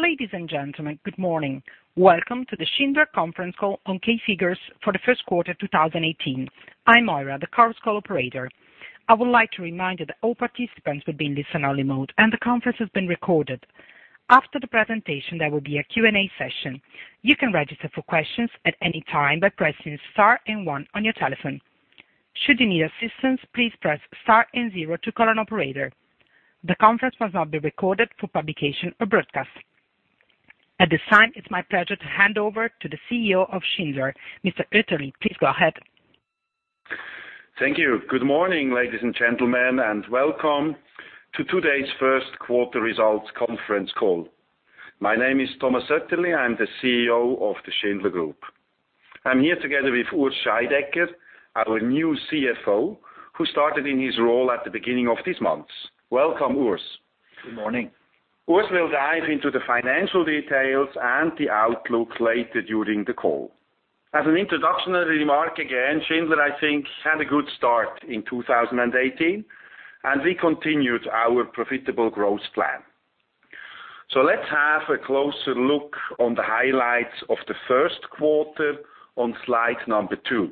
Ladies and gentlemen, good morning. Welcome to the Schindler conference call on key figures for the first quarter of 2018. I'm Ira, the conference call operator. I would like to remind you that all participants will be in listen-only mode, and the conference is being recorded. After the presentation, there will be a Q&A session. You can register for questions at any time by pressing Star and One on your telephone. Should you need assistance, please press Star and Zero to call an operator. The conference must not be recorded for publication or broadcast. At this time, it's my pleasure to hand over to the CEO of Schindler, Mr. Oetterli. Please go ahead. Thank you. Good morning, ladies and gentlemen, and welcome to today's first quarter results conference call. My name is Thomas Oetterli. I'm the CEO of the Schindler Group. I'm here together with Urs Scheidegger, our new CFO, who started in his role at the beginning of this month. Welcome, Urs. Good morning. Urs will dive into the financial details and the outlook later during the call. As an introductionary remark, again, Schindler, I think, had a good start in 2018, and we continued our profitable growth plan. Let's have a closer look on the highlights of the first quarter on slide number two.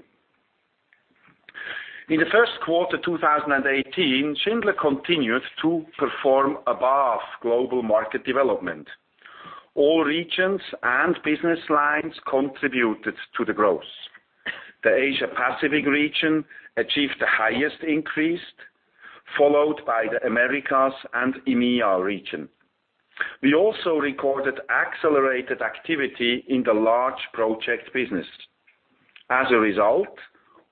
In the first quarter 2018, Schindler continued to perform above global market development. All regions and business lines contributed to the growth. The Asia Pacific region achieved the highest increase, followed by the Americas and EMEA region. We also recorded accelerated activity in the large project business. As a result,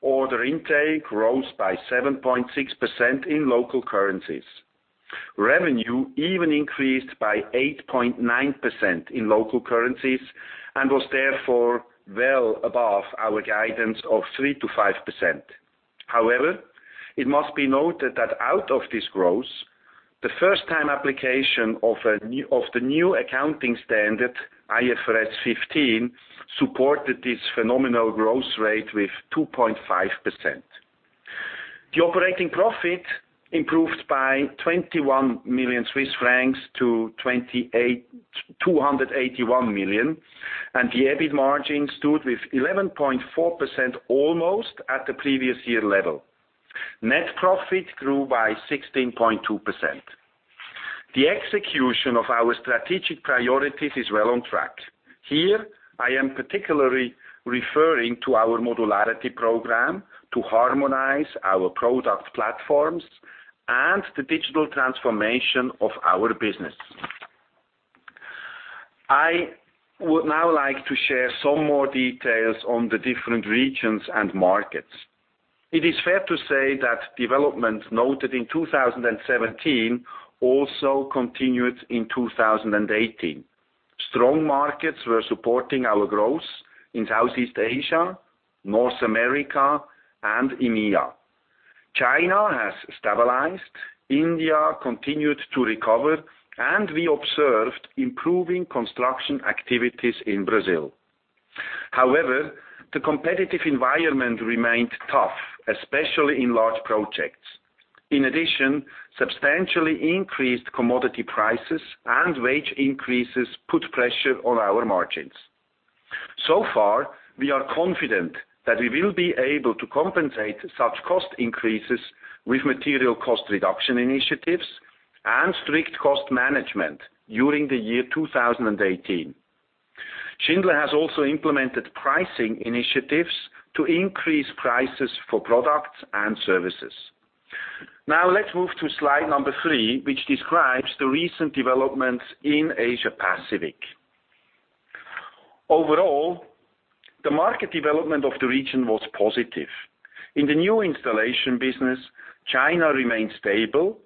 order intake rose by 7.6% in local currencies. Revenue even increased by 8.9% in local currencies and was therefore well above our guidance of 3%-5%. It must be noted that out of this growth, the first-time application of the new accounting standard, IFRS 15, supported this phenomenal growth rate with 2.5%. The operating profit improved by 21 million Swiss francs to 281 million, and the EBIT margin stood with 11.4% almost at the previous year level. Net profit grew by 16.2%. The execution of our strategic priorities is well on track. Here, I am particularly referring to our modularity program to harmonize our product platforms and the digital transformation of our business. I would now like to share some more details on the different regions and markets. It is fair to say that development noted in 2017 also continued in 2018. Strong markets were supporting our growth in Southeast Asia, North America, and EMEA. China has stabilized, India continued to recover, and we observed improving construction activities in Brazil. The competitive environment remained tough, especially in large projects. In addition, substantially increased commodity prices and wage increases put pressure on our margins. So far, we are confident that we will be able to compensate such cost increases with material cost reduction initiatives and strict cost management during the year 2018. Schindler has also implemented pricing initiatives to increase prices for products and services. Let's move to slide number three, which describes the recent developments in Asia Pacific. Overall, the market development of the region was positive. In the new installation business, China remained stable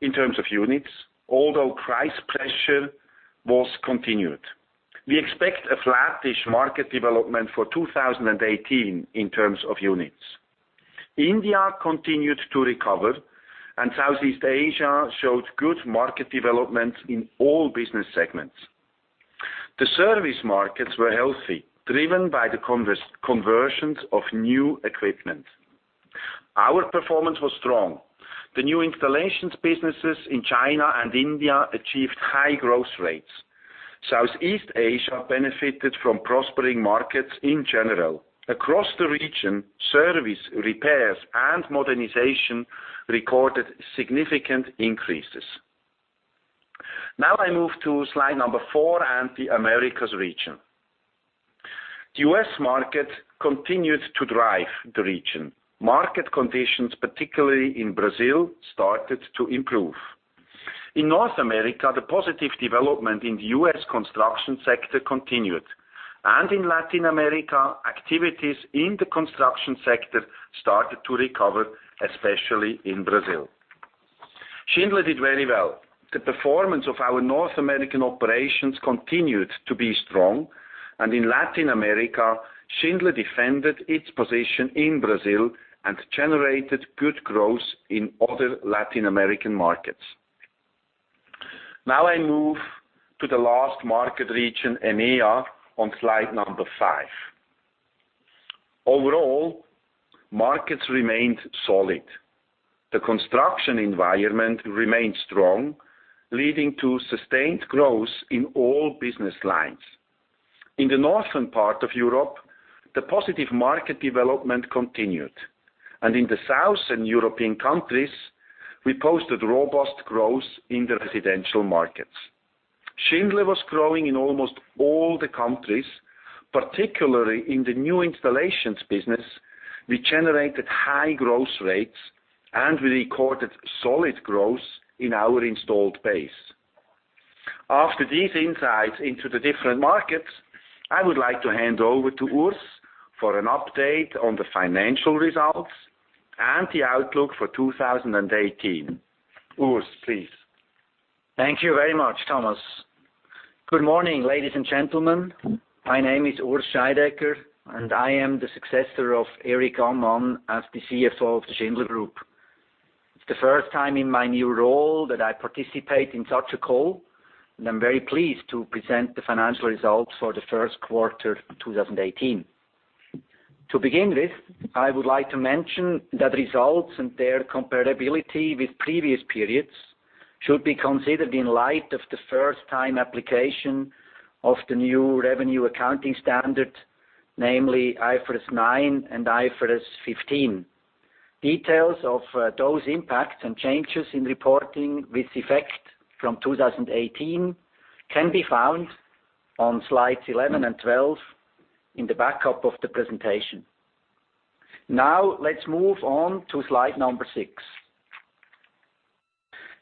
in terms of units, although price pressure was continued. We expect a flattish market development for 2018 in terms of units. India continued to recover, and Southeast Asia showed good market development in all business segments. The service markets were healthy, driven by the conversions of new equipment. Our performance was strong. The new installations businesses in China and India achieved high-growth rates. Southeast Asia benefited from prospering markets in general. Across the region, service, repairs, and modernization recorded significant increases. I move to slide number four and the Americas region. The U.S. market continued to drive the region. Market conditions, particularly in Brazil, started to improve. In North America, the positive development in the U.S. construction sector continued, and in Latin America, activities in the construction sector started to recover, especially in Brazil. Schindler did very well. The performance of our North American operations continued to be strong, and in Latin America, Schindler defended its position in Brazil and generated good growth in other Latin American markets. I move to the last market region, EMEA, on slide number five. Overall, markets remained solid. The construction environment remained strong, leading to sustained growth in all business lines. In the northern part of Europe, the positive market development continued. In the southern European countries, we posted robust growth in the residential markets. Schindler was growing in almost all the countries, particularly in the new installations business, we generated high growth rates, and we recorded solid growth in our installed base. After these insights into the different markets, I would like to hand over to Urs for an update on the financial results and the outlook for 2018. Urs, please. Thank you very much, Thomas. Good morning, ladies and gentlemen. My name is Urs Scheidegger, and I am the successor of Erich Ammann as the CFO of the Schindler Group. It's the first time in my new role that I participate in such a call, and I'm very pleased to present the financial results for the first quarter 2018. To begin with, I would like to mention that results and their comparability with previous periods should be considered in light of the first-time application of the new revenue accounting standard, namely IFRS 9 and IFRS 15. Details of those impacts and changes in reporting with effect from 2018 can be found on slides 11 and 12 in the backup of the presentation. Let's move on to slide number six.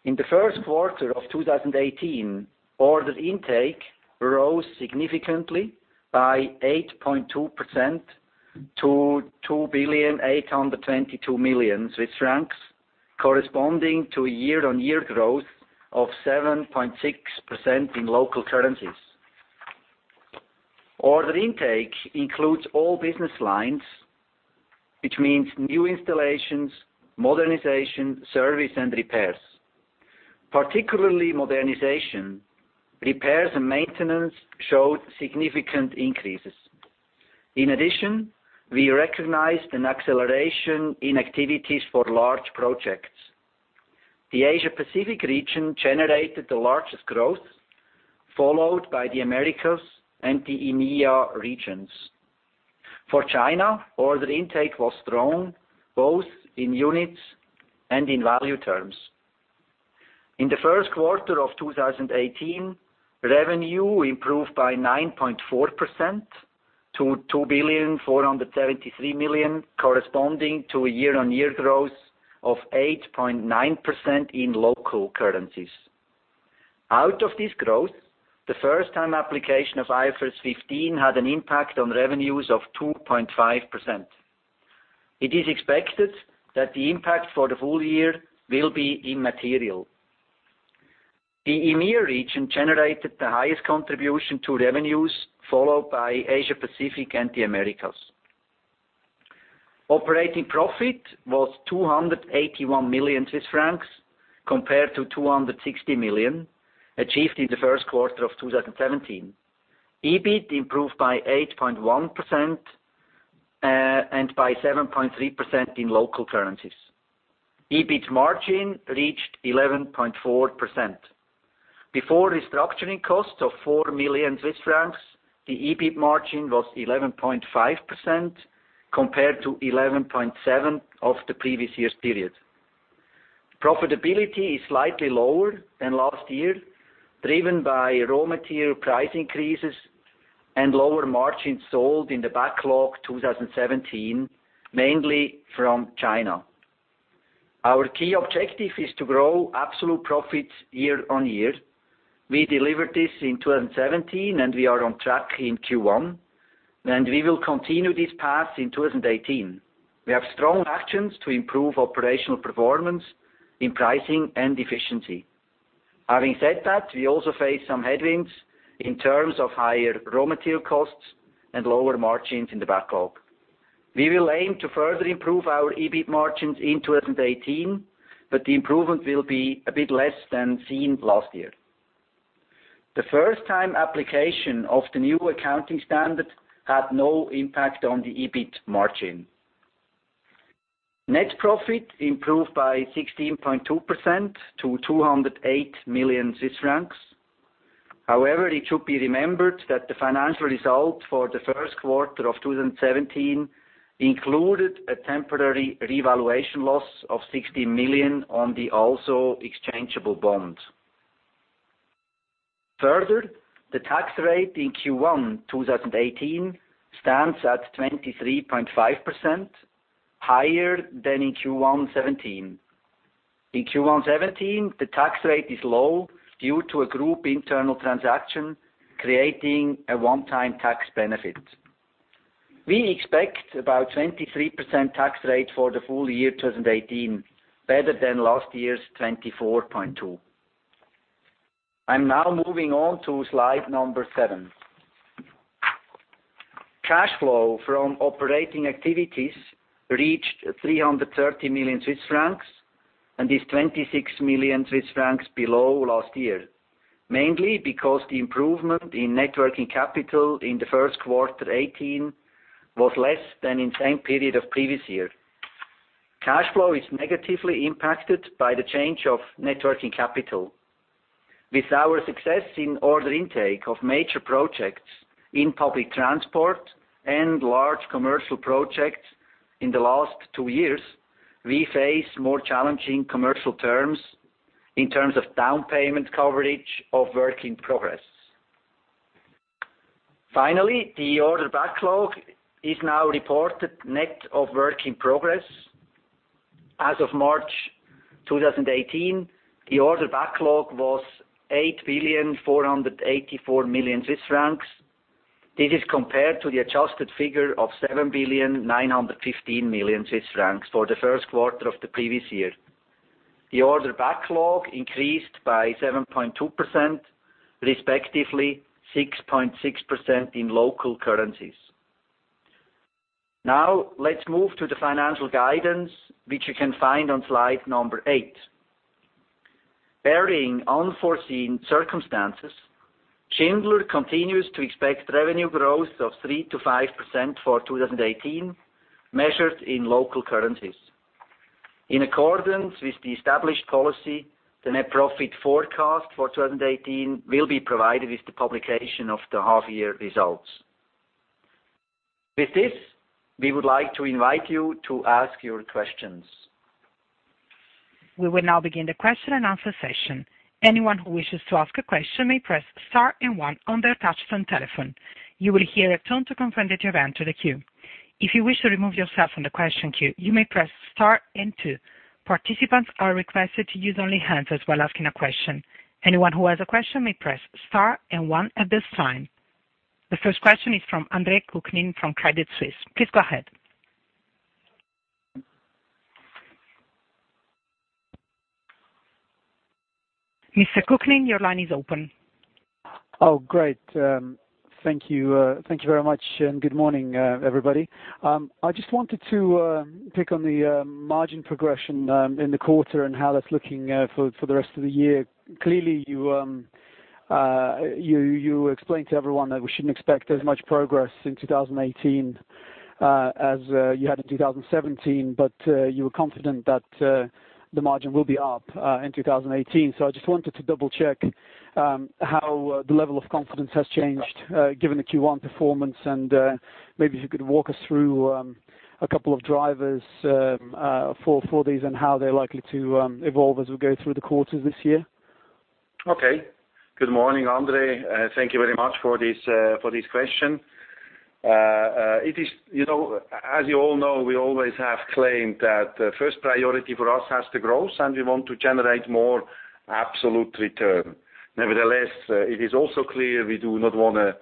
In the first quarter of 2018, order intake rose significantly by 8.2% to 2,822 million Swiss francs, corresponding to a year-on-year growth of 7.6% in local currencies. Order intake includes all business lines, which means new installations, modernization, service, and repairs. Particularly modernization, repairs, and maintenance showed significant increases. In addition, we recognized an acceleration in activities for large projects. The Asia-Pacific region generated the largest growth, followed by the Americas and the EMEA regions. For China, order intake was strong, both in units and in value terms. In the first quarter of 2018, revenue improved by 9.4% to 2,473 million, corresponding to a year-on-year growth of 8.9% in local currencies. Out of this growth, the first-time application of IFRS 15 had an impact on revenues of 2.5%. It is expected that the impact for the full year will be immaterial. The EMEA region generated the highest contribution to revenues, followed by Asia-Pacific and the Americas. Operating profit was 281 million Swiss francs compared to 260 million achieved in the first quarter of 2017. EBIT improved by 8.1% and by 7.3% in local currencies. EBIT margin reached 11.4%. Before restructuring costs of 4 million Swiss francs, the EBIT margin was 11.5% compared to 11.7% of the previous year's period. Profitability is slightly lower than last year, driven by raw material price increases and lower margins sold in the backlog 2017, mainly from China. Our key objective is to grow absolute profits year-on-year. We delivered this in 2017, we are on track in Q1, and we will continue this path in 2018. We have strong actions to improve operational performance in pricing and efficiency. Having said that, we also face some headwinds in terms of higher raw material costs and lower margins in the backlog. We will aim to further improve our EBIT margins in 2018, the improvement will be a bit less than seen last year. The first-time application of the new accounting standard had no impact on the EBIT margin. Net profit improved by 16.2% to 208 million Swiss francs. However, it should be remembered that the financial result for the first quarter of 2017 included a temporary revaluation loss of 16 million on the ALSO exchangeable bonds. The tax rate in Q1 2018 stands at 23.5%, higher than in Q1 2017. In Q1 2017, the tax rate is low due to a group internal transaction, creating a one-time tax benefit. We expect about 23% tax rate for the full year 2018, better than last year's 24.2%. I'm now moving on to slide number seven. Cash flow from operating activities reached 330 million Swiss francs. Is 26 million Swiss francs below last year, mainly because the improvement in net working capital in the first quarter 2018 was less than in same period of previous year. Cash flow is negatively impacted by the change of net working capital. With our success in order intake of major projects in public transport and large commercial projects in the last two years, we face more challenging commercial terms, in terms of down payment coverage of work in progress. Finally, the order backlog is now reported net of work in progress. As of March 2018, the order backlog was 8,484,000,000 Swiss francs. This is compared to the adjusted figure of 7,915,000,000 Swiss francs for the first quarter of the previous year. The order backlog increased by 7.2%, respectively 6.6% in local currencies. Let's move to the financial guidance, which you can find on slide number eight. Barring unforeseen circumstances, Schindler continues to expect revenue growth of 3% to 5% for 2018, measured in local currencies. In accordance with the established policy, the net profit forecast for 2018 will be provided with the publication of the half-year results. With this, we would like to invite you to ask your questions. We will now begin the question and answer session. Anyone who wishes to ask a question may press star and one on their touch-tone telephone. You will hear a tone to confirm that you have entered the queue. If you wish to remove yourself from the question queue, you may press star and two. Participants are requested to use only hands while asking a question. Anyone who has a question may press star and one at this time. The first question is from Andre Kukhnin from Credit Suisse. Please go ahead. Mr. Kukhnin, your line is open. Great. Thank you. Thank you very much, and good morning, everybody. I just wanted to pick on the margin progression in the quarter and how that's looking for the rest of the year. Clearly, you explained to everyone that we shouldn't expect as much progress in 2018, as you had in 2017. You were confident that the margin will be up, in 2018. So I just wanted to double-check, how the level of confidence has changed, given the Q1 performance and, maybe if you could walk us through, a couple of drivers, for these and how they're likely to evolve as we go through the quarters this year. Okay. Good morning, Andre. Thank you very much for this question. As you all know, we always have claimed that first priority for us has the growth, and we want to generate more absolute return. Nevertheless, it is also clear we do not want to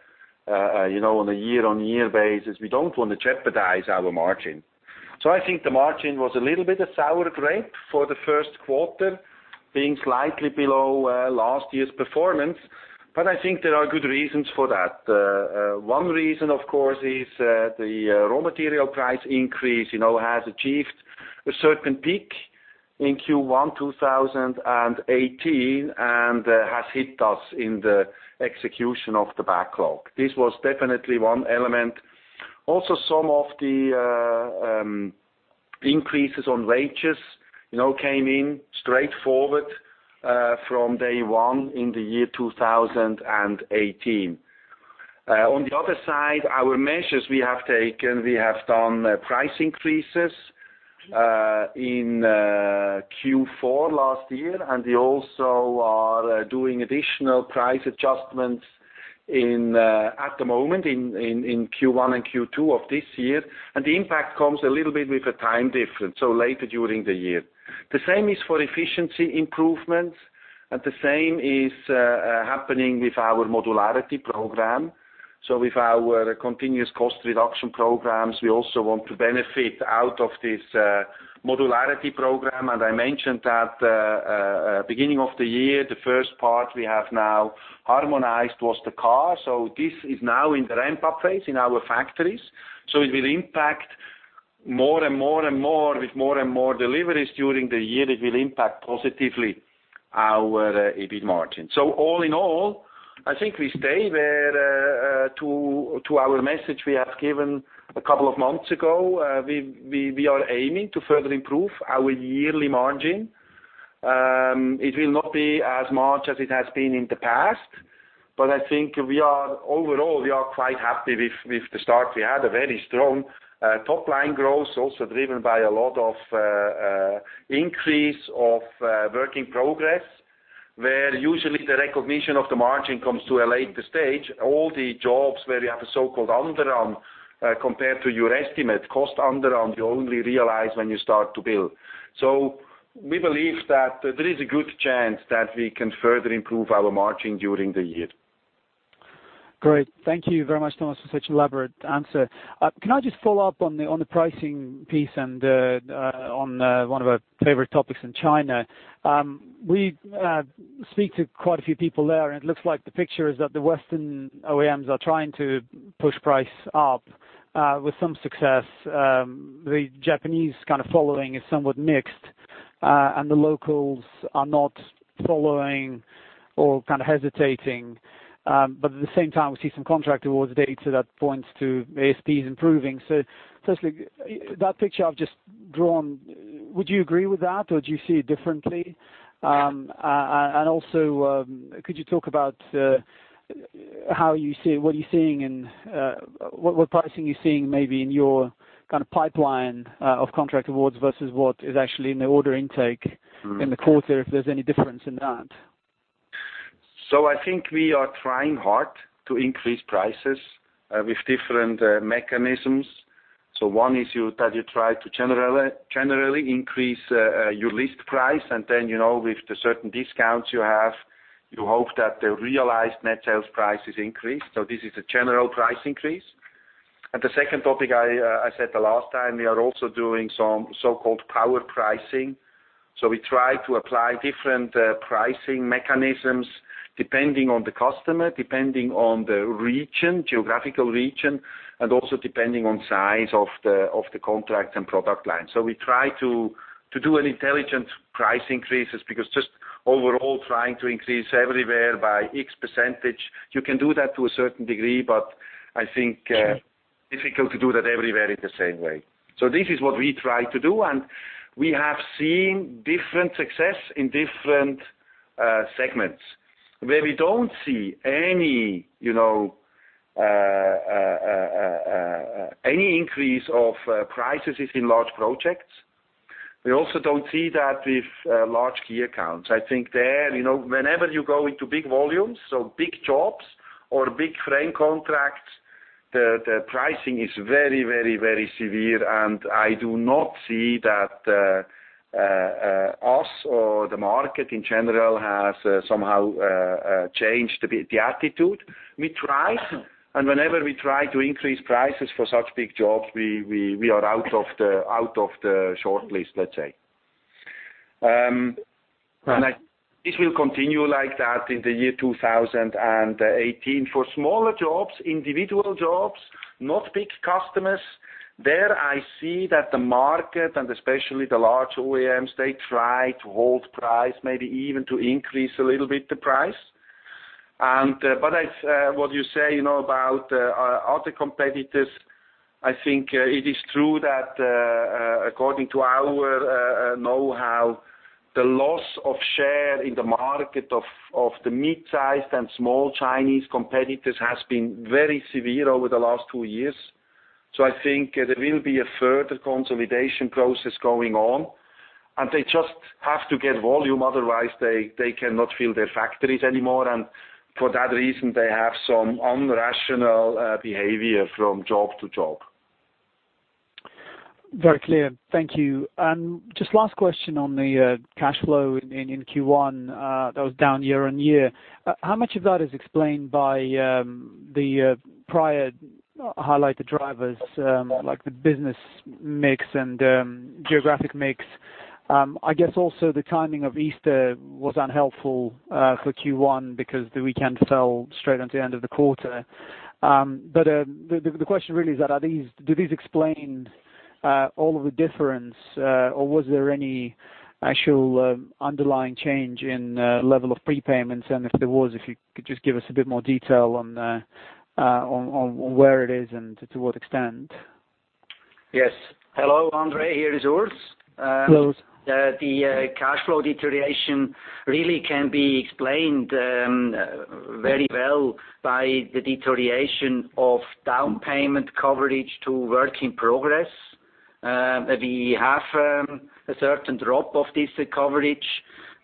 on a year-on-year basis, we don't want to jeopardize our margin. I think the margin was a little bit of sour grape for the first quarter, being slightly below last year's performance. I think there are good reasons for that. One reason, of course, is the raw material price increase, has achieved a certain peak in Q1 2018, and has hit us in the execution of the backlog. This was definitely one element. Also, some of the increases on wages, came in straightforward, from day one in the year 2018. On the other side, our measures we have taken, we have done price increases, in Q4 last year, and we also are doing additional price adjustments at the moment in Q1 and Q2 of this year. The impact comes a little bit with a time difference, so later during the year. The same is for efficiency improvements, and the same is happening with our modularity program. With our continuous cost reduction programs, we also want to benefit out of this modularity program. I mentioned that, beginning of the year, the first part we have now harmonized was the car. This is now in the ramp-up phase in our factories. It will impact more and more and more with more and more deliveries during the year. It will impact positively our EBIT margin. All in all, I think we stay where to our message we have given a couple of months ago, we are aiming to further improve our yearly margin. It will not be as much as it has been in the past, but I think we are overall we are quite happy with the start we had, a very strong top-line growth, also driven by a lot of increase of work in progress, where usually the recognition of the margin comes to a later stage. All the jobs where we have a so-called underrun, compared to your estimate, cost underrun, you only realize when you start to build. We believe that there is a good chance that we can further improve our margin during the year. Great. Thank you very much, Thomas, for such an elaborate answer. Can I just follow up on the pricing piece and on one of our favorite topics in China? We speak to quite a few people there, and it looks like the picture is that the Western OEMs are trying to push price up with some success. The Japanese kind of following is somewhat mixed, and the locals are not following or kind of hesitating. At the same time, we see some contract awards data that points to ASPs improving. Firstly, that picture I've just drawn, would you agree with that or do you see it differently? Also, could you talk about what pricing you're seeing maybe in your pipeline of contract awards versus what is actually in the order intake in the quarter, if there's any difference in that? I think we are trying hard to increase prices with different mechanisms. One is that you try to generally increase your list price, and then with the certain discounts you have, you hope that the realized net sales price is increased. This is a general price increase. The second topic, I said the last time, we are also doing some so-called power pricing. We try to apply different pricing mechanisms depending on the customer, depending on the geographical region, and also depending on size of the contract and product line. We try to do an intelligent price increases, because just overall trying to increase everywhere by X%, you can do that to a certain degree. Sure difficult to do that everywhere in the same way. This is what we try to do, and we have seen different success in different segments. Where we don't see any increase of prices is in large projects. We also don't see that with large key accounts. I think there, whenever you go into big volumes, so big jobs or big frame contracts, the pricing is very severe, and I do not see that us or the market, in general, has somehow changed the attitude. We try, and whenever we try to increase prices for such big jobs, we are out of the shortlist, let's say. Right. This will continue like that in 2018. For smaller jobs, individual jobs, not big customers, there I see that the market, and especially the large OEMs, they try to hold price, maybe even to increase a little bit the price. What you say about other competitors, I think it is true that according to our knowhow, the loss of share in the market of the mid-sized and small Chinese competitors has been very severe over the last two years. I think there will be a further consolidation process going on, and they just have to get volume, otherwise, they cannot fill their factories anymore. For that reason, they have some irrational behavior from job to job. Very clear. Thank you. Just last question on the cash flow in Q1, that was down year-over-year. How much of that is explained by the prior highlighted drivers, like the business mix and geographic mix? I guess also the timing of Easter was unhelpful for Q1 because the weekend fell straight onto the end of the quarter. The question really is that do these explain all of the difference, or was there any actual underlying change in level of prepayments? If there was, if you could just give us a bit more detail on where it is and to what extent. Yes. Hello, Andre. Here is Urs. Hello, Urs. The cash flow deterioration really can be explained very well by the deterioration of down payment coverage to work in progress. We have a certain drop of this coverage,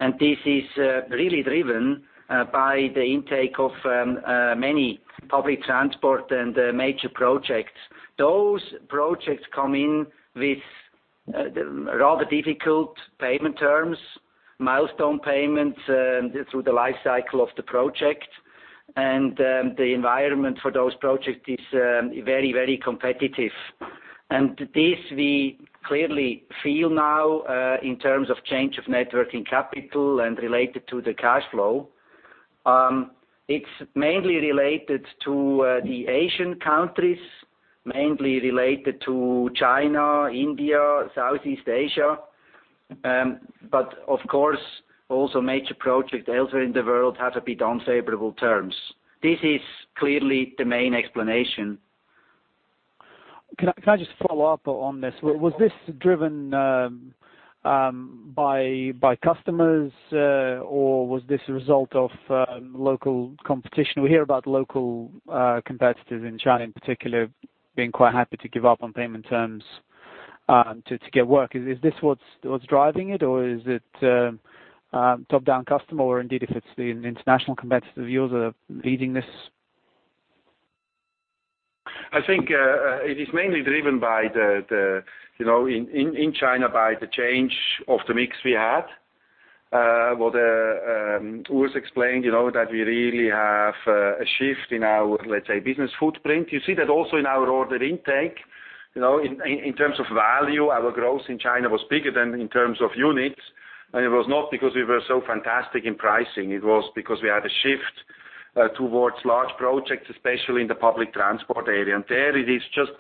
and this is really driven by the intake of many public transport and major projects. Those projects come in with rather difficult payment terms, milestone payments through the life cycle of the project. The environment for those projects is very competitive. This we clearly feel now, in terms of change of net working capital and related to the cash flow. It's mainly related to the Asian countries, mainly related to China, India, Southeast Asia. Of course, also major projects elsewhere in the world have a bit unfavorable terms. This is clearly the main explanation. Can I just follow up on this? Was this driven by customers, or was this a result of local competition? We hear about local competitors in China, in particular, being quite happy to give up on payment terms to get work. Is this what's driving it, or is it top-down customer? Indeed, if it's the international competitive views that are leading this? I think it is mainly driven by, in China, by the change of the mix we had. What Urs explained, that we really have a shift in our, let's say, business footprint. You see that also in our order intake. In terms of value, our growth in China was bigger than in terms of units, and it was not because we were so fantastic in pricing. It was because we had a shift towards large projects, especially in the public transport area. There it is just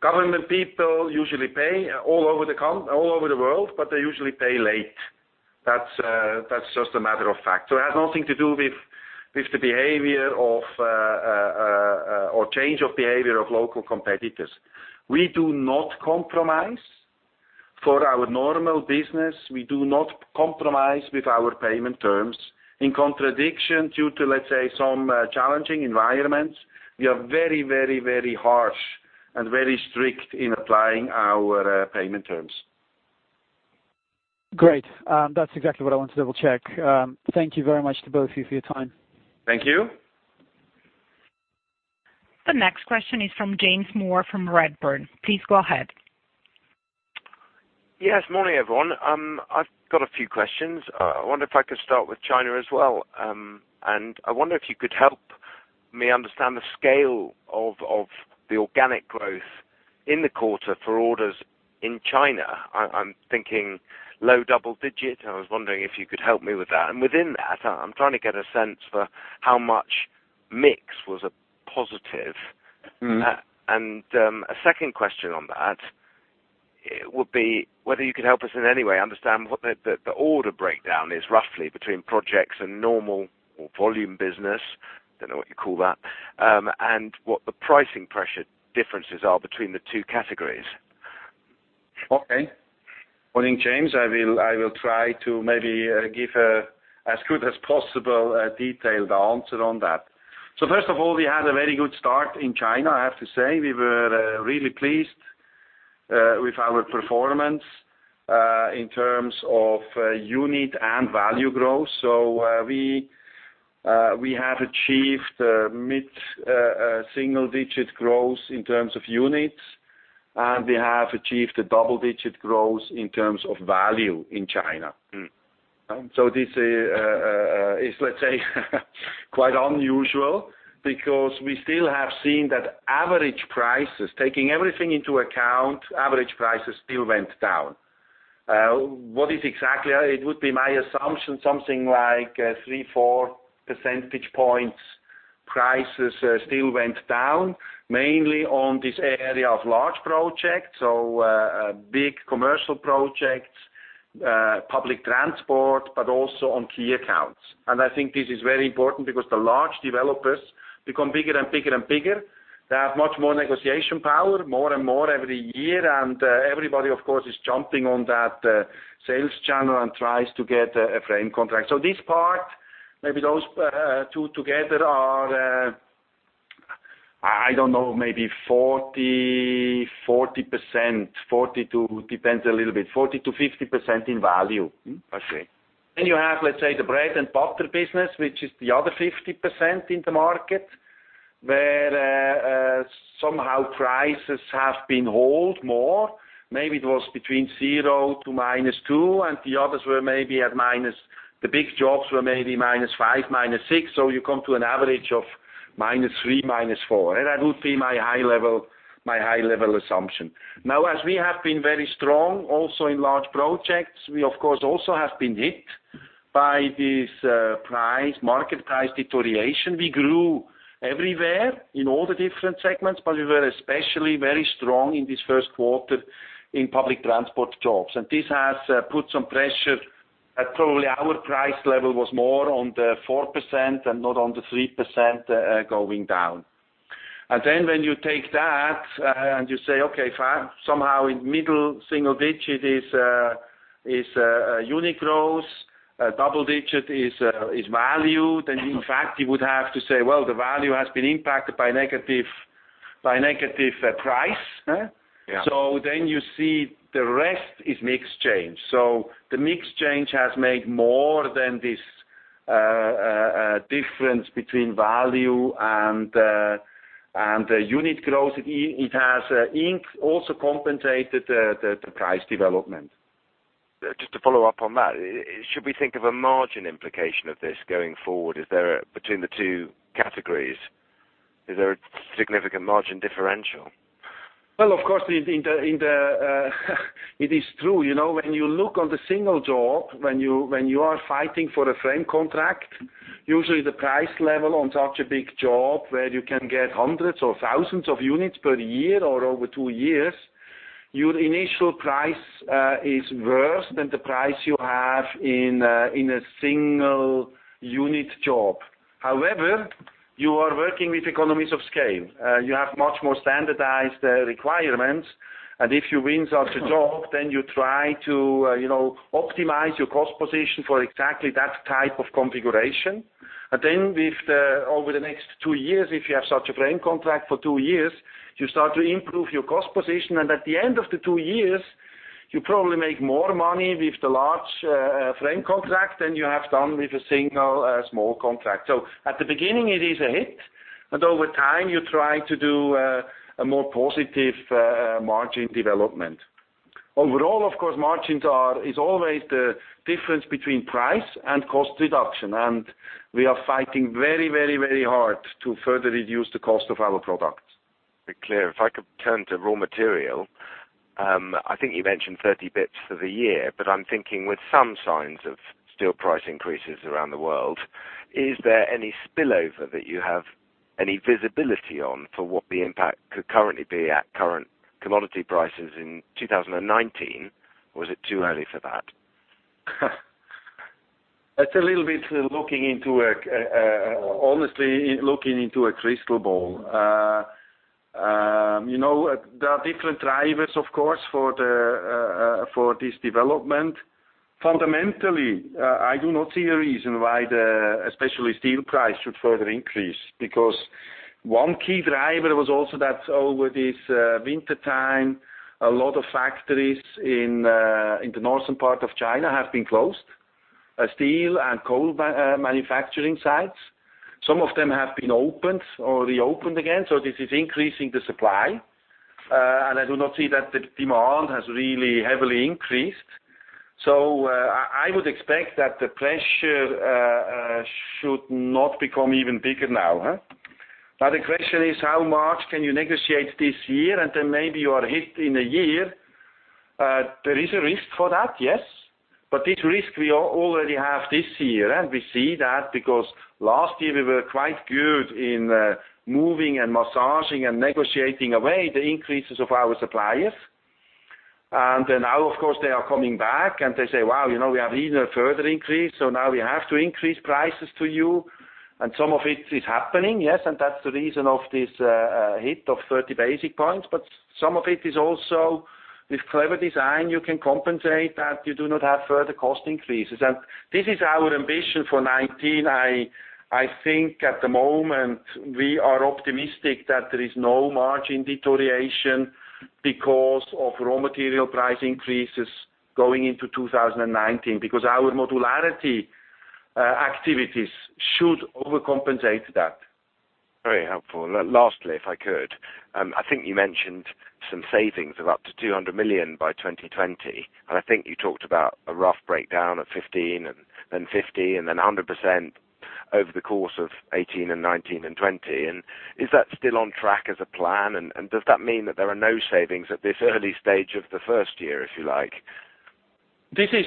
government people usually pay all over the world, but they usually pay late. That's just a matter of fact. It has nothing to do with the change of behavior of local competitors. We do not compromise for our normal business. We do not compromise with our payment terms. In contradiction due to, let's say, some challenging environments, we are very harsh and very strict in applying our payment terms. Great. That's exactly what I wanted to double-check. Thank you very much to both of you for your time. Thank you. The next question is from James Moore from Redburn. Please go ahead. Yes. Morning, everyone. I have got a few questions. I wonder if I could start with China as well. I wonder if you could help me understand the scale of the organic growth in the quarter for orders in China. I am thinking low double digits. I was wondering if you could help me with that. Within that, I am trying to get a sense for how much mix was a positive. A second question on that would be whether you could help us in any way understand what the order breakdown is roughly between projects and normal or volume business, don't know what you call that. What the pricing pressure differences are between the two categories. Okay. Morning, James. I will try to maybe give as good as possible a detailed answer on that. First of all, we had a very good start in China, I have to say. We were really pleased with our performance in terms of unit and value growth. We have achieved mid-single digit growth in terms of units, and we have achieved a double-digit growth in terms of value in China. This is, let's say quite unusual because we still have seen that average prices, taking everything into account, average prices still went down. What is exactly? It would be my assumption, something like three, four percentage points prices still went down, mainly on this area of large projects. Big commercial projects, public transport, but also on key accounts. I think this is very important because the large developers become bigger and bigger. They have much more negotiation power, more and more every year. Everybody, of course, is jumping on that sales channel and tries to get a frame contract. This part, maybe those two together are, I don't know, maybe 40%, 42% depends a little bit, 40%-50% in value. I see. You have, let's say, the bread and butter business, which is the other 50% in the market, where somehow prices have been hold more. Maybe it was between 0% to -2%, and the others were maybe at The big jobs were maybe -5%, -6%. You come to an average of -3%, -4%. That would be my high level assumption. Now, as we have been very strong also in large projects, we of course also have been hit by this market price deterioration. We grew everywhere in all the different segments, but we were especially very strong in this first quarter in public transport jobs. This has put some pressure at probably our price level was more on the 4% and not on the 3% going down. When you take that and you say, okay, somehow in middle single-digit is unit growth, double-digit is value. In fact, you would have to say, well, the value has been impacted by negative price. Yeah. You see the rest is mix change. The mix change has made more than this difference between value and unit growth. It has also compensated the price development. Just to follow up on that, should we think of a margin implication of this going forward between the two categories? Is there a significant margin differential? Well, of course, it is true. When you look on the single job, when you are fighting for a frame contract, usually the price level on such a big job where you can get hundreds or thousands of units per year or over two years, your initial price is worse than the price you have in a single unit job. However, you are working with economies of scale. You have much more standardized requirements, and if you win such a job, then you try to optimize your cost position for exactly that type of configuration. Over the next two years, if you have such a frame contract for two years, you start to improve your cost position, and at the end of the two years, you probably make more money with the large frame contract than you have done with a single small contract. At the beginning it is a hit, but over time you try to do a more positive margin development. Overall, of course, margins is always the difference between price and cost reduction, and we are fighting very hard to further reduce the cost of our products. Be clear. If I could turn to raw material, I think you mentioned 30 basis points for the year, but I'm thinking with some signs of steel price increases around the world, is there any spillover that you have any visibility on for what the impact could currently be at current commodity prices in 2019? Or is it too early for that? That's a little bit, honestly, looking into a crystal ball. There are different drivers, of course, for this development. Fundamentally, I do not see a reason why the especially steel price should further increase, because one key driver was also that over this wintertime, a lot of factories in the northern part of China have been closed. Steel and coal manufacturing sites. Some of them have been opened or reopened again, so this is increasing the supply. I do not see that the demand has really heavily increased. I would expect that the pressure should not become even bigger now. Now, the question is, how much can you negotiate this year, and then maybe you are hit in a year? There is a risk for that, yes. This risk we already have this year, and we see that because last year we were quite good in moving and massaging and negotiating away the increases of our suppliers. Now, of course, they are coming back, and they say, "Wow, we have even a further increase, so now we have to increase prices to you." Some of it is happening, yes, and that's the reason of this hit of 30 basis points. Some of it is also with clever design, you can compensate that you do not have further cost increases. This is our ambition for 2019. I think at the moment, we are optimistic that there is no margin deterioration because of raw material price increases going into 2019, because our modularity activities should overcompensate that. Very helpful. Lastly, if I could. I think you mentioned some savings of up to 200 million by 2020, I think you talked about a rough breakdown of 15% and then 50% and then 100% over the course of 2018 and 2019 and 2020. Is that still on track as a plan? Does that mean that there are no savings at this early stage of the first year, if you like? This is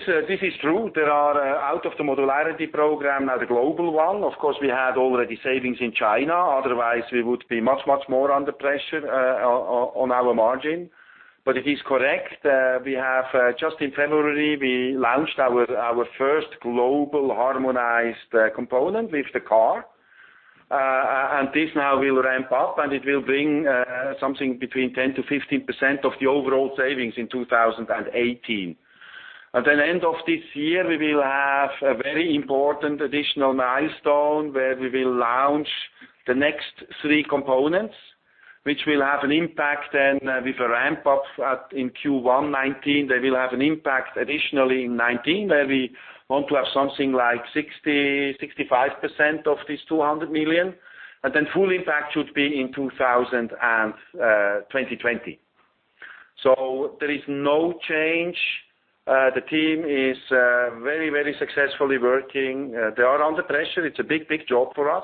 true. There are out of the modularity program now the global one. Of course, we had already savings in China, otherwise we would be much more under pressure on our margin. It is correct. Just in February, we launched our first global harmonized component with the car. This now will ramp up, and it will bring something between 10%-15% of the overall savings in 2018. End of this year, we will have a very important additional milestone where we will launch the next three components, which will have an impact then with a ramp-up in Q1 '19. They will have an impact additionally in '19, where we want to have something like 60%-65% of this 200 million, then full impact should be in 2020. There is no change. The team is very successfully working. They are under pressure. It's a big job for us.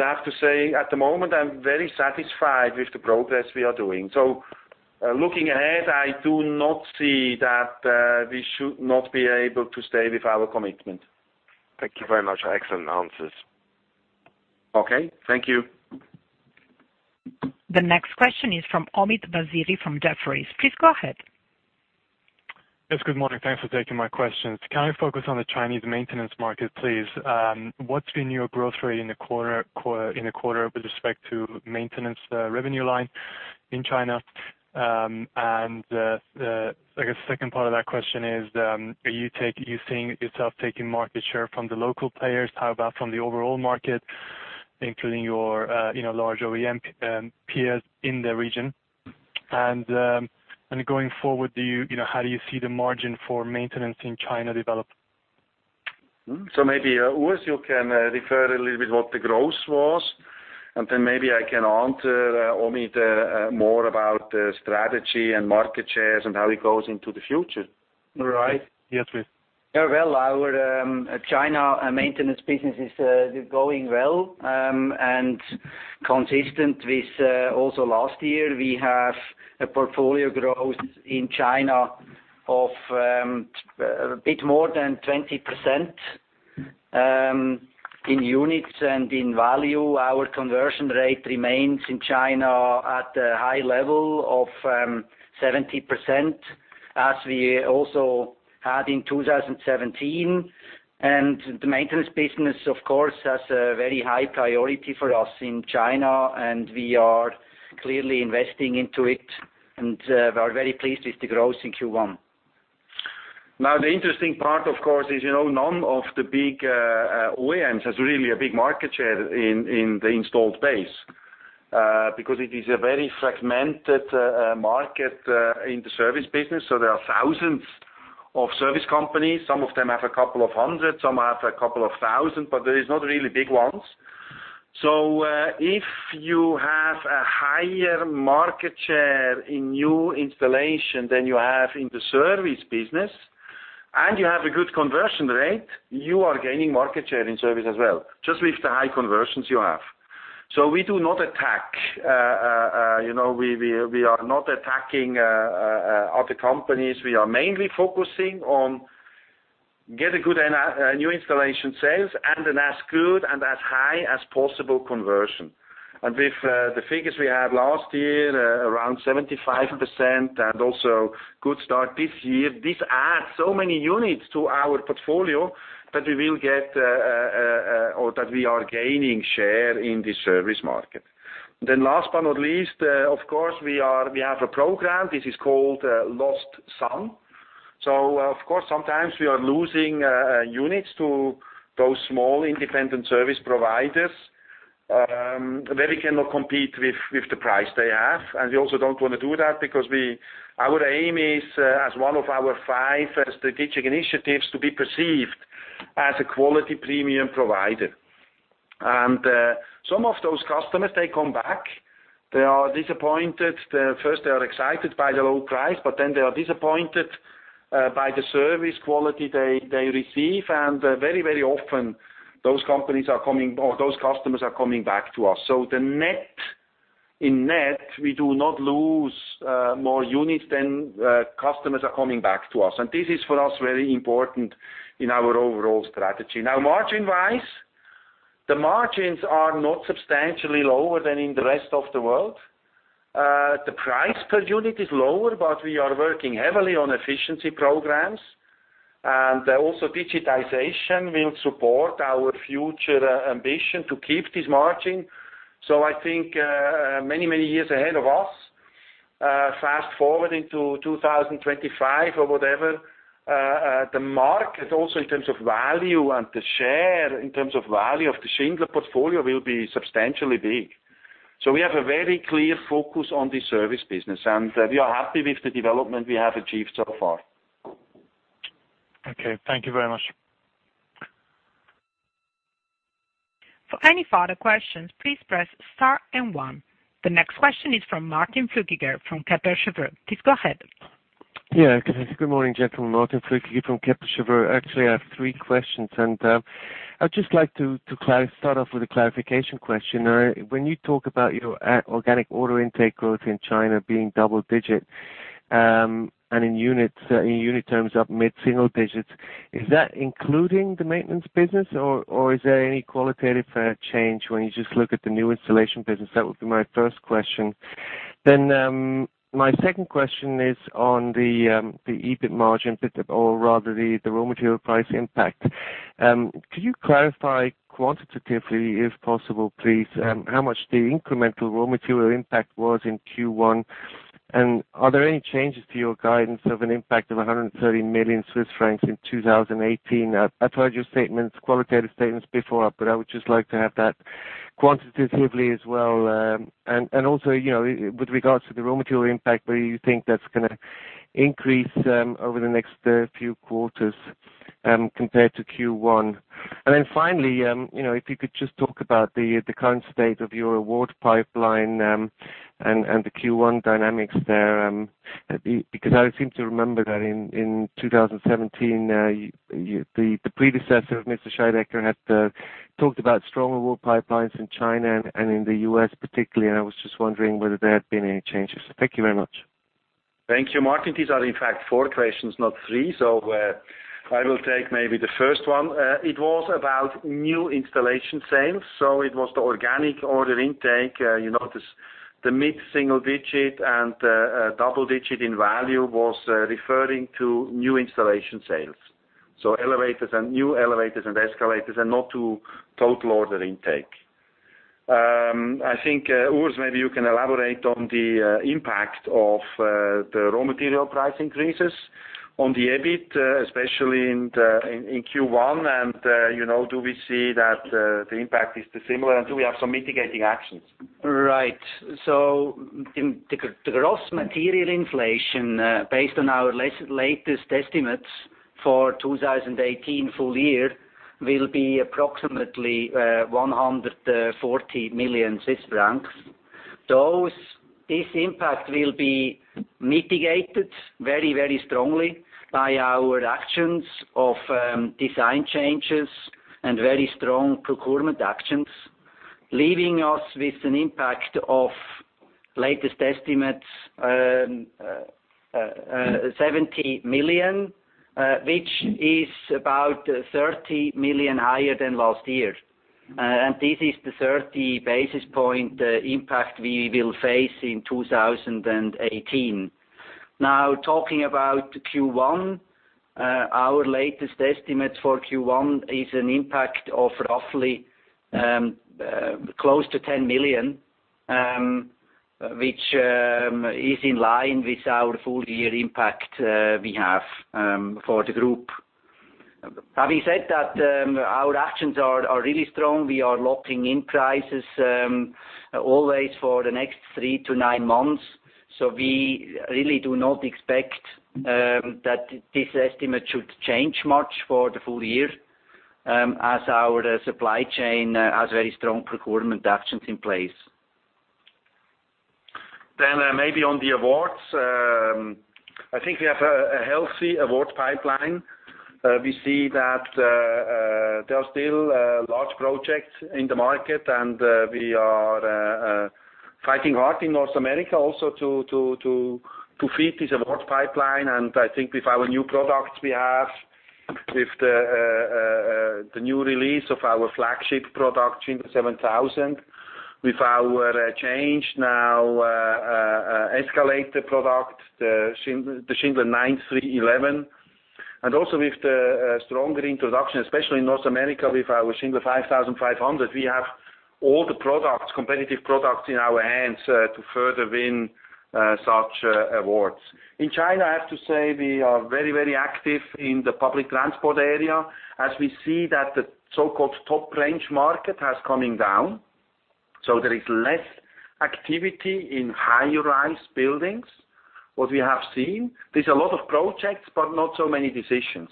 I have to say, at the moment, I'm very satisfied with the progress we are doing. Looking ahead, I do not see that we should not be able to stay with our commitment. Thank you very much. Excellent answers. Okay. Thank you. The next question is from Omid Vaziri from Jefferies. Please go ahead. Yes, good morning. Thanks for taking my questions. Can I focus on the Chinese maintenance market, please? What's been your growth rate in the quarter with respect to maintenance revenue line in China? I guess second part of that question is, are you seeing yourself taking market share from the local players? How about from the overall market, including your large OEM peers in the region? Going forward, how do you see the margin for maintenance in China develop? Maybe, Urs, you can refer a little bit what the growth was, and then maybe I can answer Omid more about the strategy and market shares and how it goes into the future. Right. Yes, please. Well, our China maintenance business is going well, consistent with also last year. We have a portfolio growth in China of a bit more than 20% in units and in value. Our conversion rate remains in China at a high level of 70%, as we also had in 2017. The maintenance business, of course, has a very high priority for us in China, and we are clearly investing into it and are very pleased with the growth in Q1. Now, the interesting part, of course, is none of the big OEMs has really a big market share in the installed base. It is a very fragmented market in the service business. There are thousands of service companies. Some of them have a couple of hundred, some have a couple of thousand, but there is not really big ones. If you have a higher market share in new installation than you have in the service business, and you have a good conversion rate, you are gaining market share in service as well, just with the high conversions you have. We do not attack. We are not attacking other companies. We are mainly focusing on get a good new installation sales and an as good and as high as possible conversion. With the figures we had last year, around 75%, and also good start this year, this adds so many units to our portfolio that we are gaining share in the service market. Last but not least, of course, we have a program, this is called Lost Son. Of course, sometimes we are losing units to those small independent service providers, where we cannot compete with the price they have. We also don't want to do that because our aim is, as one of our five strategic initiatives, to be perceived as a quality premium provider. Some of those customers, they come back. First they are excited by the low price, but then they are disappointed by the service quality they receive, and very often those customers are coming back to us. In net, we do not lose more units than customers are coming back to us. This is for us very important in our overall strategy. Now, margin-wise, the margins are not substantially lower than in the rest of the world. The price per unit is lower, but we are working heavily on efficiency programs, and also digitization will support our future ambition to keep this margin. I think many years ahead of us, fast-forwarding to 2025 or whatever, the market also in terms of value and the share in terms of value of the Schindler portfolio will be substantially big. We have a very clear focus on the service business, and we are happy with the development we have achieved so far. Okay. Thank you very much. For any further questions, please press star and one. The next question is from Martin Flueckiger from Kepler Cheuvreux. Please go ahead. Yeah, good morning, gentlemen. Martin Flueckiger from Credit Suisse. Actually, I have three questions. I'd just like to start off with a clarification question. When you talk about your organic order intake growth in China being double-digit, and in unit terms up mid-single-digits, is that including the maintenance business, or is there any qualitative change when you just look at the new installation business? That would be my first question. My second question is on the EBIT margin bit or rather the raw material price impact. Can you clarify quantitatively, if possible, please, how much the incremental raw material impact was in Q1? Are there any changes to your guidance of an impact of 130 million Swiss francs in 2018? I've heard your qualitative statements before, but I would just like to have that quantitatively as well. Also, with regards to the raw material impact, whether you think that's going to increase over the next few quarters compared to Q1. Finally, if you could just talk about the current state of your award pipeline, and the Q1 dynamics there, because I seem to remember that in 2017, the predecessor of Mr. Scheidegger had talked about strong award pipelines in China and in the U.S. particularly, and I was just wondering whether there had been any changes. Thank you very much. Thank you, Martin. These are in fact 4 questions, not 3. I will take maybe the first one. It was about new installation sales, it was the organic order intake. You notice the mid-single digit and double digit in value was referring to new installation sales. New elevators and escalators and not to total order intake. I think, Urs, maybe you can elaborate on the impact of the raw material price increases on the EBIT, especially in Q1. Do we see that the impact is dissimilar, do we have some mitigating actions? Right. The gross material inflation based on our latest estimates for 2018 full year will be approximately 140 million Swiss francs. This impact will be mitigated very strongly by our actions of design changes and very strong procurement actions, leaving us with an impact of latest estimates, 70 million, which is about 30 million higher than last year. This is the 30 basis point impact we will face in 2018. Talking about Q1, our latest estimate for Q1 is an impact of roughly close to 10 million, which is in line with our full year impact we have for the group. Having said that, our actions are really strong. We are locking in prices always for the next 3 to 9 months. We really do not expect that this estimate should change much for the full year, as our supply chain has very strong procurement actions in place. Maybe on the awards, I think we have a healthy award pipeline. We see that there are still large projects in the market, we are fighting hard in North America also to feed this award pipeline. I think with our new products we have, with the new release of our flagship product, Schindler 7000, with our [change now] escalator product, the Schindler 9300, also with the stronger introduction, especially in North America, with our Schindler 5500. We have all the competitive products in our hands to further win such awards. In China, I have to say, we are very active in the public transport area as we see that the so-called top-range market has coming down. There is less activity in high-rise buildings. What we have seen, there's a lot of projects, but not so many decisions.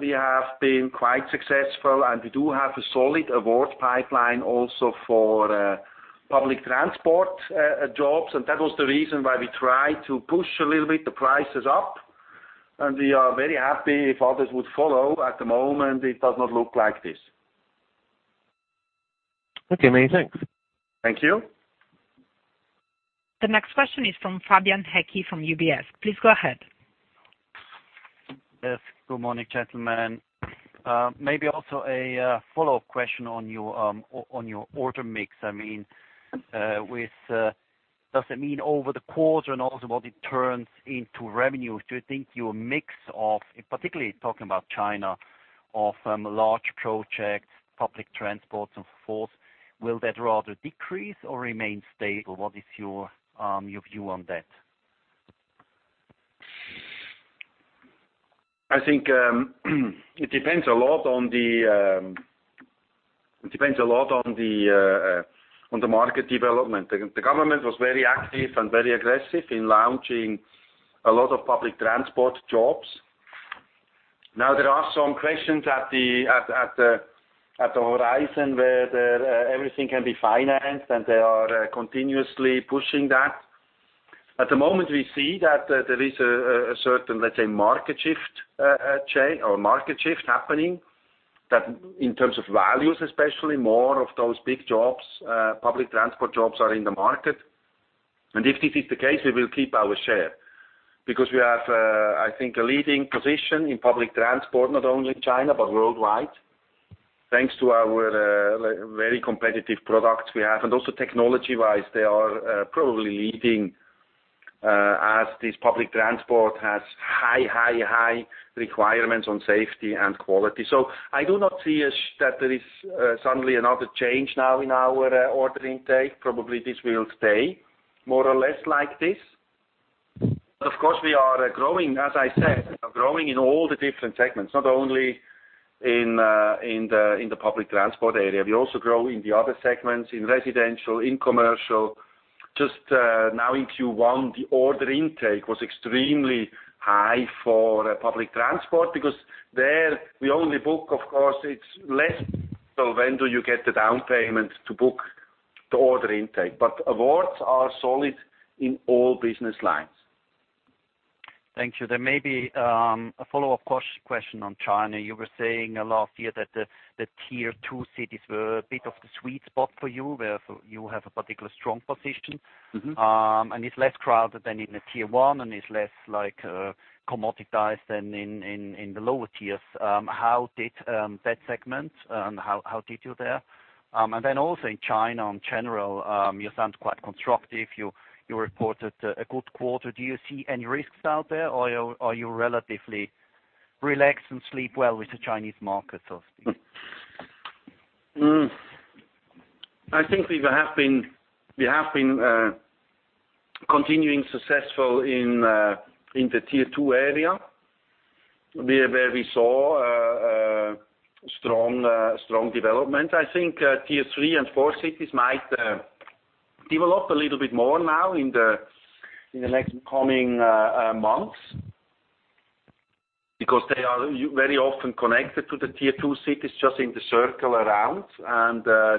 We have been quite successful, and we do have a solid award pipeline also for public transport jobs. That was the reason why we try to push a little bit the prices up, and we are very happy if others would follow. At the moment, it does not look like this. Okay, many thanks. Thank you. The next question is from Fabian Haecki from UBS. Please go ahead. Good morning, gentlemen. A follow-up question on your order mix. Does it mean over the quarter and also what it turns into revenue? Do you think your mix of, particularly talking about China, of large projects, public transport, and so forth, will that rather decrease or remain stable? What is your view on that? I think it depends a lot on the market development. The government was very active and very aggressive in launching a lot of public transport jobs. There are some questions at the horizon where everything can be financed, and they are continuously pushing that. At the moment, we see that there is a certain, let's say, market shift happening that in terms of values especially, more of those big jobs, public transport jobs are in the market. If this is the case, we will keep our share because we have, I think, a leading position in public transport, not only China but worldwide, thanks to our very competitive products we have. Also technology-wise, they are probably leading, as this public transport has high requirements on safety and quality. I do not see that there is suddenly another change now in our order intake. Probably this will stay more or less like this. Of course, we are growing, as I said, are growing in all the different segments, not only in the public transport area. We also grow in the other segments, in residential, in commercial. Just now in Q1, the order intake was extremely high for public transport because there we only book, of course, it's less so when do you get the down payment to book the order intake. Awards are solid in all business lines. Thank you. There may be a follow-up question on China. You were saying last year that the Tier 2 cities were a bit of the sweet spot for you, where you have a particular strong position. It's less crowded than in the Tier 1 and it's less commoditized than in the lower tiers. How did that segment, and how did you there? Also in China in general, you sound quite constructive. You reported a good quarter. Do you see any risks out there, or are you relatively relaxed and sleep well with the Chinese market so to speak? I think we have been continuing successful in the Tier 2 area, where we saw a strong development. I think Tier 3 and 4 cities might develop a little bit more now in the next coming months, because they are very often connected to the Tier 2 cities just in the circle around.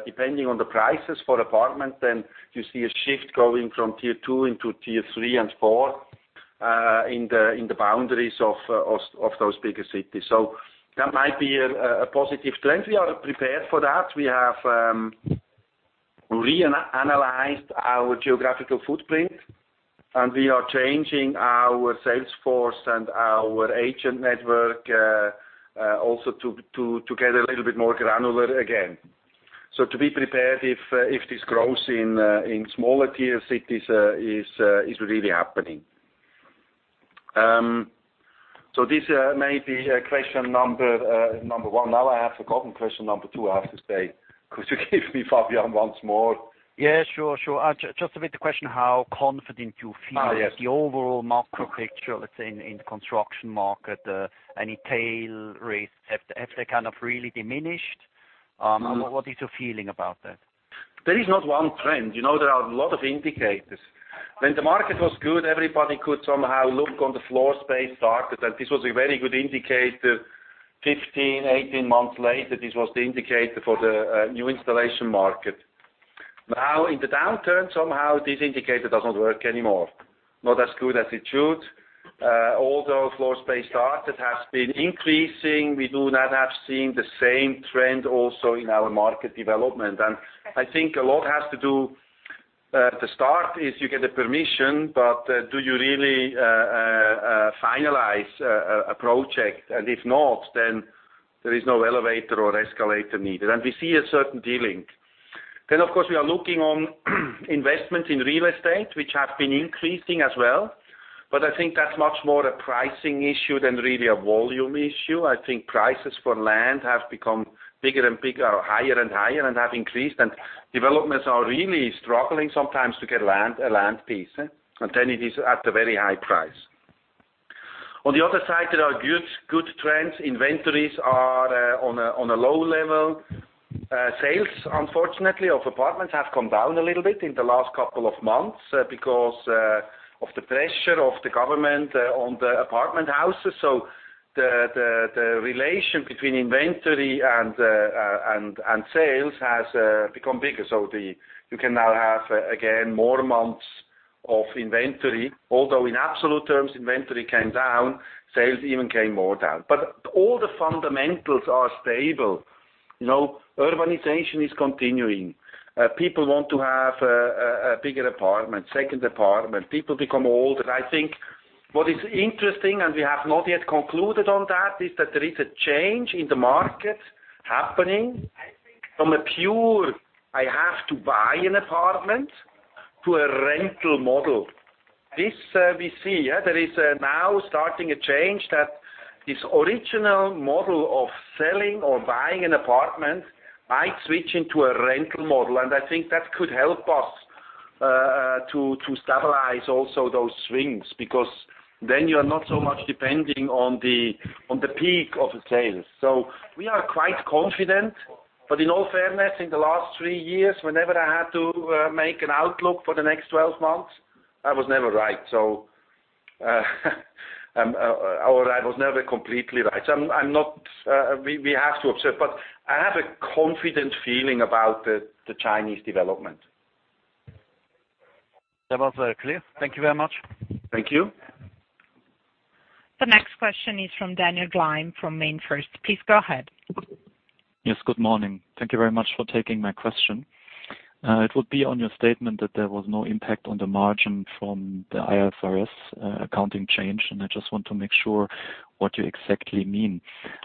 Depending on the prices for apartment, then you see a shift going from Tier 2 into Tier 3 and 4 in the boundaries of those bigger cities. That might be a positive trend. We are prepared for that. We have reanalyzed our geographical footprint, and we are changing our sales force and our agent network also to get a little bit more granular again. To be prepared if this growth in smaller tier cities is really happening. This may be question number 1. I have forgotten question number 2, I have to say. Could you give me, Fabian, once more? Yeah, sure. Just a bit the question, how confident you feel. yes with the overall macro picture, let's say in the construction market, any tail risks, have they kind of really diminished? What is your feeling about that? There is not one trend. There are a lot of indicators. When the market was good, everybody could somehow look on the floor space started, and this was a very good indicator. 15, 18 months later, this was the indicator for the new installation market. Now in the downturn, somehow, this indicator does not work anymore. Not as good as it should. Although floor space started has been increasing, we do not have seen the same trend also in our market development. I think a lot has to do, the start is you get the permission, but do you really finalize a project? If not, then there is no elevator or escalator needed. We see a certain delink. Of course, we are looking on investment in real estate, which have been increasing as well. I think that's much more a pricing issue than really a volume issue. I think prices for land have become bigger and bigger, or higher and higher, and have increased. Developments are really struggling sometimes to get a land piece. Then it is at a very high price. On the other side, there are good trends. Inventories are on a low level. Sales, unfortunately, of apartments have come down a little bit in the last couple of months because of the pressure of the government on the apartment houses. The relation between inventory and sales has become bigger. You can now have, again, more months of inventory. Although in absolute terms inventory came down, sales even came more down. All the fundamentals are stable. Urbanization is continuing. People want to have a bigger apartment, second apartment. People become older. I think what is interesting, and we have not yet concluded on that, is that there is a change in the market happening from a pure, I have to buy an apartment, to a rental model. This we see. There is now starting a change that this original model of selling or buying an apartment might switch into a rental model. I think that could help us to stabilize also those swings, because then you are not so much depending on the peak of the sales. We are quite confident. In all fairness, in the last 3 years, whenever I had to make an outlook for the next 12 months, I was never right. I was never completely right. We have to observe. I have a confident feeling about the Chinese development. That was very clear. Thank you very much. Thank you. The next question is from Daniel Gleim from MainFirst. Please go ahead. Yes, good morning. Thank you very much for taking my question. It would be on your statement that there was no impact on the margin from the IFRS accounting change. I just want to make sure what you exactly mean.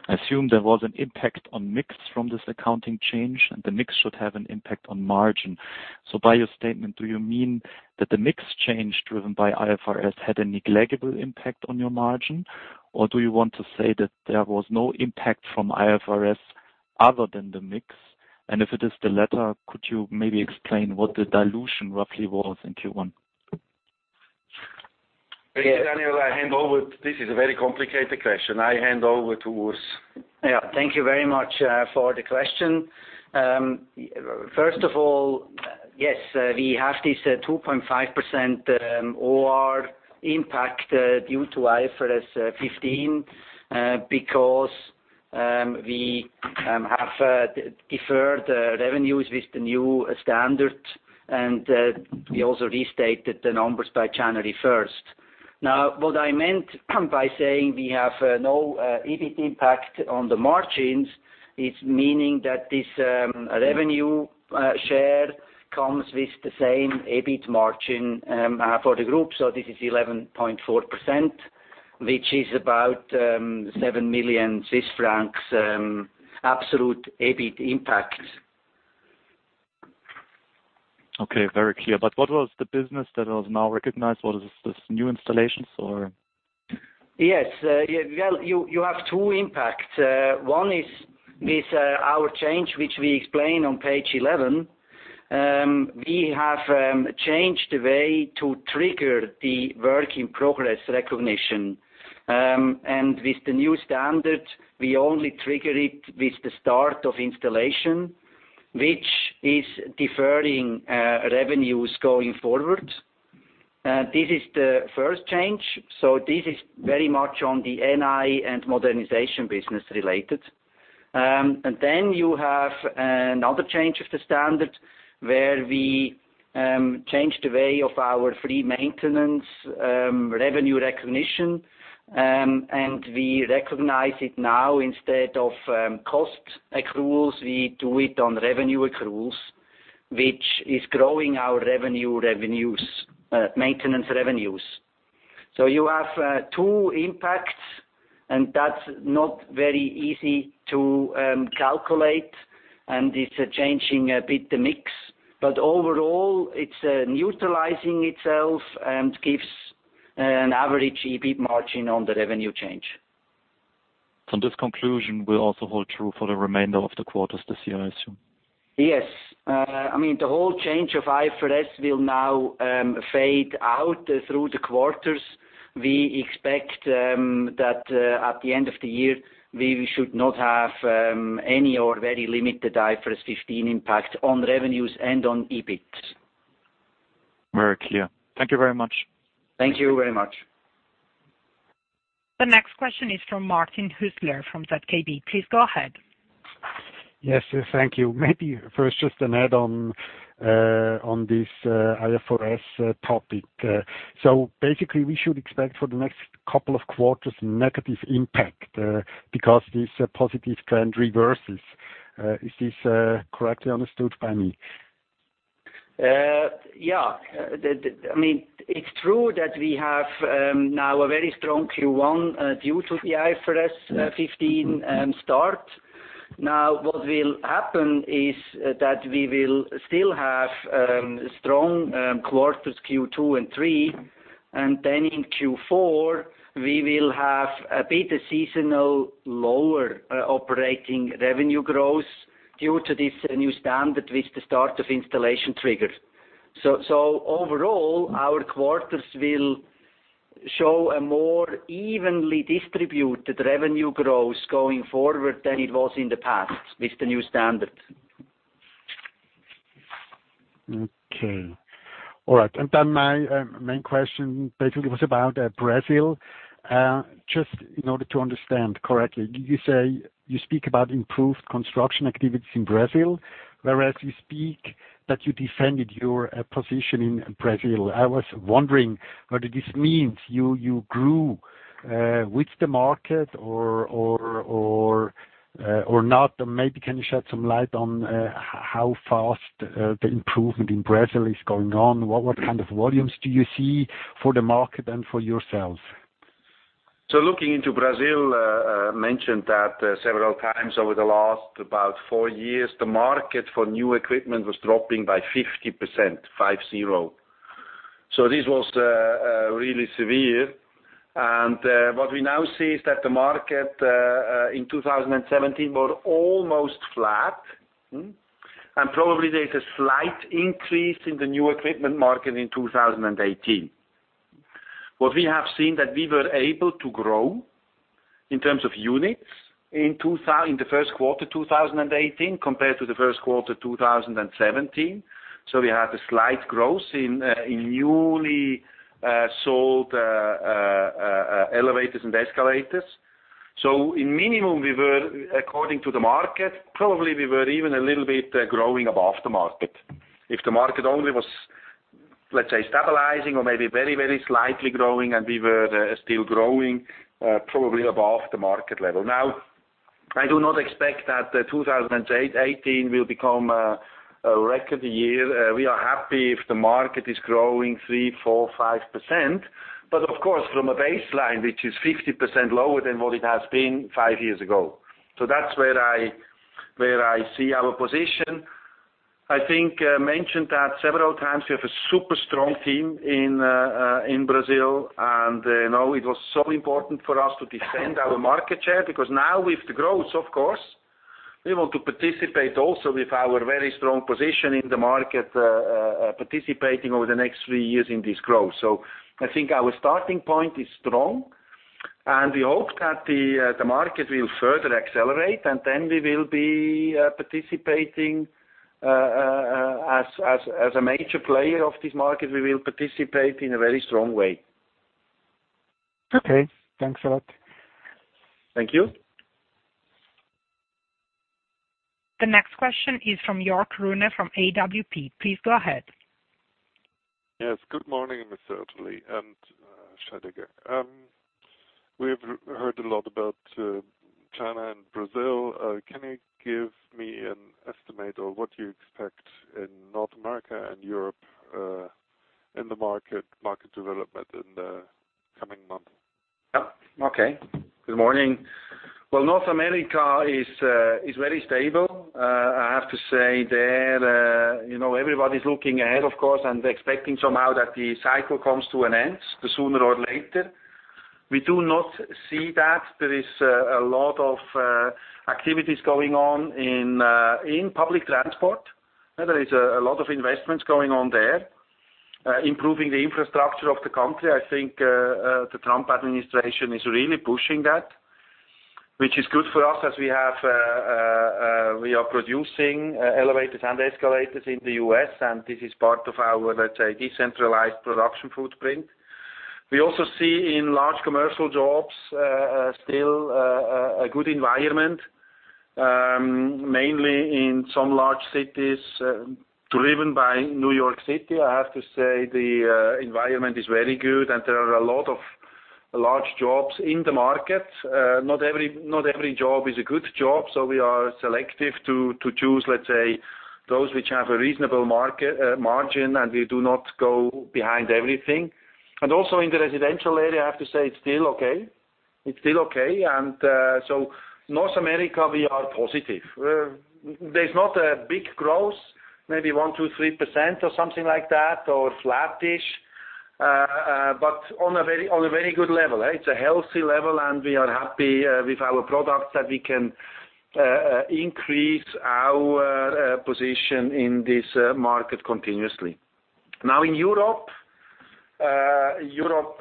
I assume there was an impact on mix from this accounting change. The mix should have an impact on margin. By your statement, do you mean that the mix change driven by IFRS had a negligible impact on your margin? Or do you want to say that there was no impact from IFRS other than the mix? If it is the latter, could you maybe explain what the dilution roughly was in Q1? Thank you, Daniel. This is a very complicated question. I hand over to Urs. Thank you very much for the question. First of all, yes, we have this 2.5% OR impact due to IFRS 15, because we have deferred revenues with the new standard. We also restated the numbers by January 1st. What I meant by saying we have no EBIT impact on the margins, it is meaning that this revenue share comes with the same EBIT margin for the group. This is 11.4%, which is about 7 million Swiss francs absolute EBIT impact. Okay, very clear. What was the business that was now recognized? What is this, new installations or? Well, you have two impacts. One is with our change, which we explain on page 11. We have changed the way to trigger the work in progress recognition. With the new standard, we only trigger it with the start of installation, which is deferring revenues going forward. This is the first change. This is very much on the NI and modernization business related. Then you have another change of the standard where we change the way of our free maintenance revenue recognition, and we recognize it now, instead of cost accruals, we do it on revenue accruals, which is growing our maintenance revenues. You have two impacts, and that's not very easy to calculate, and it's changing a bit the mix. Overall, it's neutralizing itself and gives an average EBIT margin on the revenue change. This conclusion will also hold true for the remainder of the quarters this year, I assume? The whole change of IFRS will now fade out through the quarters. We expect that at the end of the year, we should not have any or very limited IFRS 15 impact on revenues and on EBIT. Very clear. Thank you very much. Thank you very much. The next question is from Martin Hüsler from ZKB. Please go ahead. Yes, thank you. Maybe first just an add-on, on this IFRS topic. Basically, we should expect for the next couple of quarters negative impact, because this positive trend reverses. Is this correctly understood by me? Yeah. It's true that we have now a very strong Q1 due to the IFRS 15 start. What will happen is that we will still have strong quarters Q2 and Q3, and then in Q4 we will have a bit seasonal lower operating revenue growth due to this new standard with the start of installation trigger. Overall, our quarters will show a more evenly distributed revenue growth going forward than it was in the past with the new standard. Okay. All right. My main question basically was about Brazil. Just in order to understand correctly, did you say you speak about improved construction activities in Brazil? Whereas you speak that you defended your position in Brazil, I was wondering whether this means you grew, with the market or not? Maybe can you shed some light on how fast the improvement in Brazil is going on? What kind of volumes do you see for the market and for yourselves? Looking into Brazil, I mentioned that several times over the last about four years, the market for new equipment was dropping by 50%, five, zero. This was really severe. What we now see is that the market, in 2017, was almost flat. Probably there is a slight increase in the new equipment market in 2018. What we have seen that we were able to grow in terms of units in the first quarter 2018 compared to the first quarter 2017. We had a slight growth in newly sold elevators and escalators. In minimum, according to the market, probably we were even a little bit growing above the market. If the market only was, let's say stabilizing or maybe very, very slightly growing and we were still growing, probably above the market level. I do not expect that 2018 will become a record year. We are happy if the market is growing 3%, 4%, 5%. Of course, from a baseline, which is 50% lower than what it has been five years ago. That's where I see our position. I think I mentioned that several times, we have a super strong team in Brazil, and it was so important for us to defend our market share, because now with the growth, of course, we want to participate also with our very strong position in the market, participating over the next three years in this growth. I think our starting point is strong, and we hope that the market will further accelerate, and we will be participating as a major player of this market. We will participate in a very strong way. Okay. Thanks a lot. Thank you. The next question is from Jörg Rune from AWP. Please go ahead. Yes. Good morning, Mr. Oetterli and Scheidegger. We have heard a lot about China and Brazil. Can you give me an estimate of what you expect in North America and Europe, in the market development in the coming months? Okay. Good morning. Well, North America is very stable. I have to say there, everybody's looking ahead, of course, and expecting somehow that the cycle comes to an end, sooner or later. We do not see that. There is a lot of activities going on in public transport. There is a lot of investments going on there, improving the infrastructure of the country. I think the Trump administration is really pushing that, which is good for us as we are producing elevators and escalators in the U.S., and this is part of our, let's say, decentralized production footprint. We also see in large commercial jobs, still a good environment, mainly in some large cities driven by New York City. I have to say, the environment is very good, and there are a lot of large jobs in the market. Not every job is a good job, we are selective to choose, let's say, those which have a reasonable margin, and we do not go behind everything. In the residential area, I have to say, it's still okay. North America, we are positive. There's not a big growth, maybe 1%, 2%, 3% or something like that, or flat-ish. On a very good level. It's a healthy level, and we are happy with our products that we can increase our position in this market continuously. In Europe,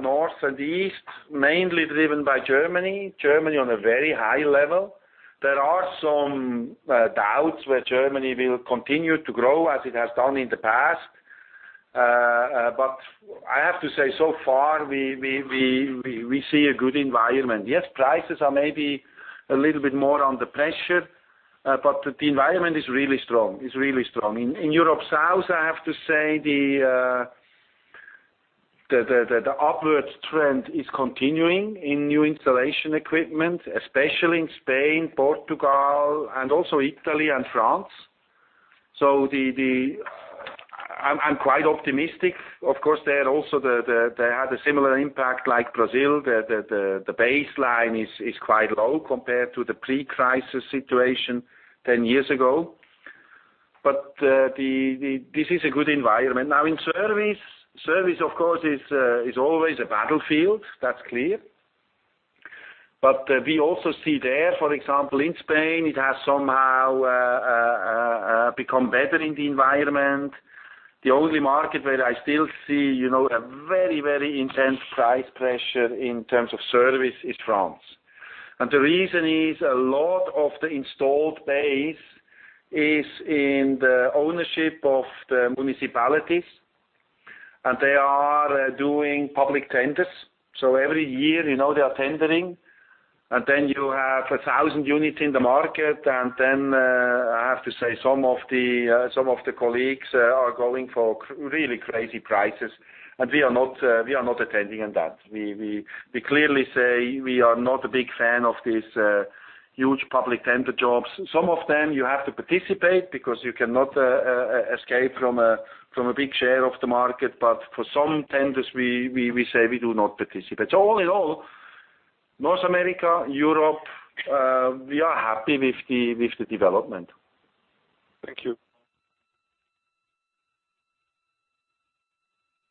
North and East, mainly driven by Germany on a very high level. There are some doubts where Germany will continue to grow as it has done in the past. I have to say, so far we see a good environment. Yes, prices are maybe a little bit more under pressure, but the environment is really strong. In Europe South, I have to say the upward trend is continuing in new installation equipment, especially in Spain, Portugal, and also Italy and France. I'm quite optimistic. Of course, they had a similar impact like Brazil. The baseline is quite low compared to the pre-crisis situation 10 years ago. This is a good environment. In service of course, is always a battlefield. That's clear. We also see there, for example, in Spain, it has somehow become better in the environment. The only market where I still see, a very intense price pressure in terms of service is France. The reason is a lot of the installed base is in the ownership of the municipalities, and they are doing public tenders. Every year, they are tendering, and then you have 1,000 units in the market. Then, I have to say, some of the colleagues are going for really crazy prices, and we are not attending on that. We clearly say we are not a big fan of these huge public tender jobs. Some of them you have to participate because you cannot escape from a big share of the market. For some tenders, we say we do not participate. All in all, North America, Europe, we are happy with the development. Thank you.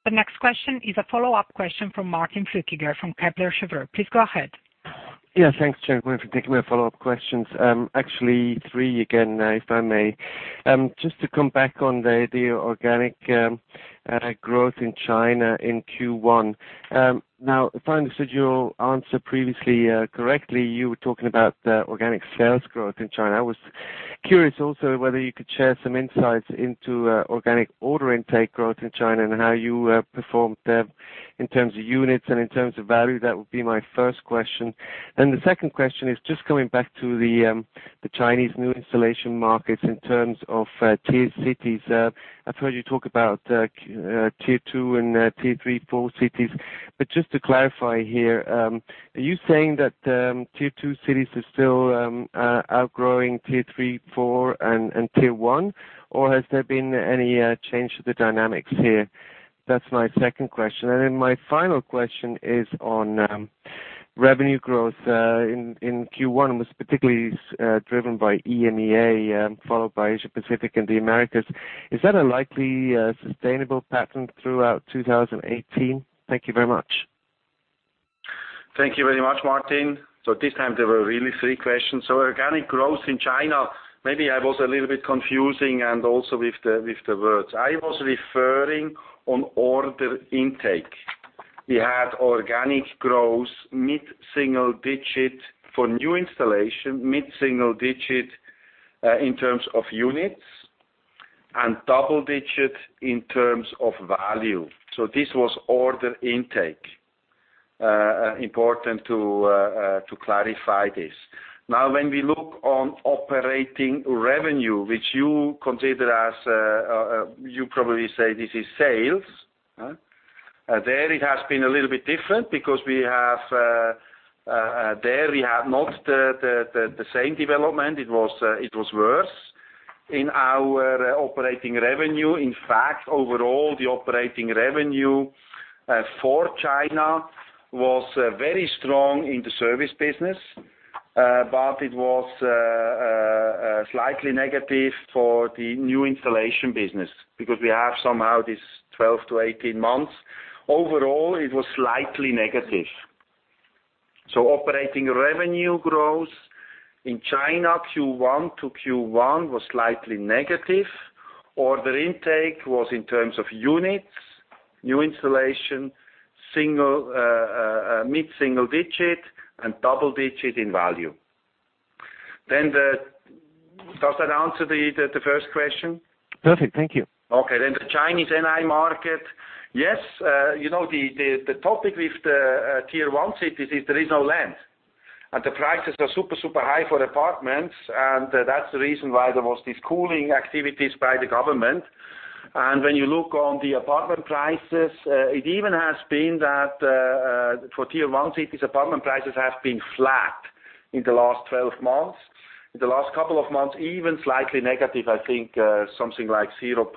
The next question is a follow-up question from Martin Flueckiger from Kepler Cheuvreux. Please go ahead. Yeah. Thanks, gents, for taking my follow-up questions. Actually, three again, if I may. Just to come back on the organic growth in China in Q1. Now, if I understood your answer previously correctly, you were talking about organic sales growth in China. I was curious also whether you could share some insights into organic order intake growth in China and how you performed there in terms of units and in terms of value. That would be my first question. The second question is just coming back to the Chinese new installation markets in terms of tier cities. I've heard you talk about tier 2 and tier 3, 4 cities. But just to clarify here, are you saying that tier 2 cities are still outgrowing tier 3, 4, and tier 1? Or has there been any change to the dynamics here? That's my second question. My final question is on revenue growth in Q1 was particularly driven by EMEA, followed by Asia Pacific and the Americas. Is that a likely sustainable pattern throughout 2018? Thank you very much. Thank you very much, Martin. This time, there were really three questions. Organic growth in China, maybe I was a little bit confusing and also with the words. I was referring on order intake. We had organic growth mid-single digit for new installation, mid-single digit in terms of units, and double digit in terms of value. This was order intake. Important to clarify this. When we look on operating revenue, which you consider as, you probably say this is sales. There it has been a little bit different because there we have not the same development. It was worse in our operating revenue. In fact, overall, the operating revenue for China was very strong in the service business. It was slightly negative for the new installation business because we have somehow this 12-18 months. Overall, it was slightly negative. Operating revenue growth in China Q1 to Q1 was slightly negative. Order intake was, in terms of units, new installation, mid-single digit and double digit in value. Does that answer the first question? Perfect. Thank you. The Chinese NI market. Yes, the topic with the tier 1 cities is there is no land, and the prices are super high for apartments, and that's the reason why there was this cooling activities by the government. When you look on the apartment prices, it even has been that for tier 1 cities, apartment prices have been flat in the last 12 months. In the last couple of months, even slightly negative, I think something like 0.6%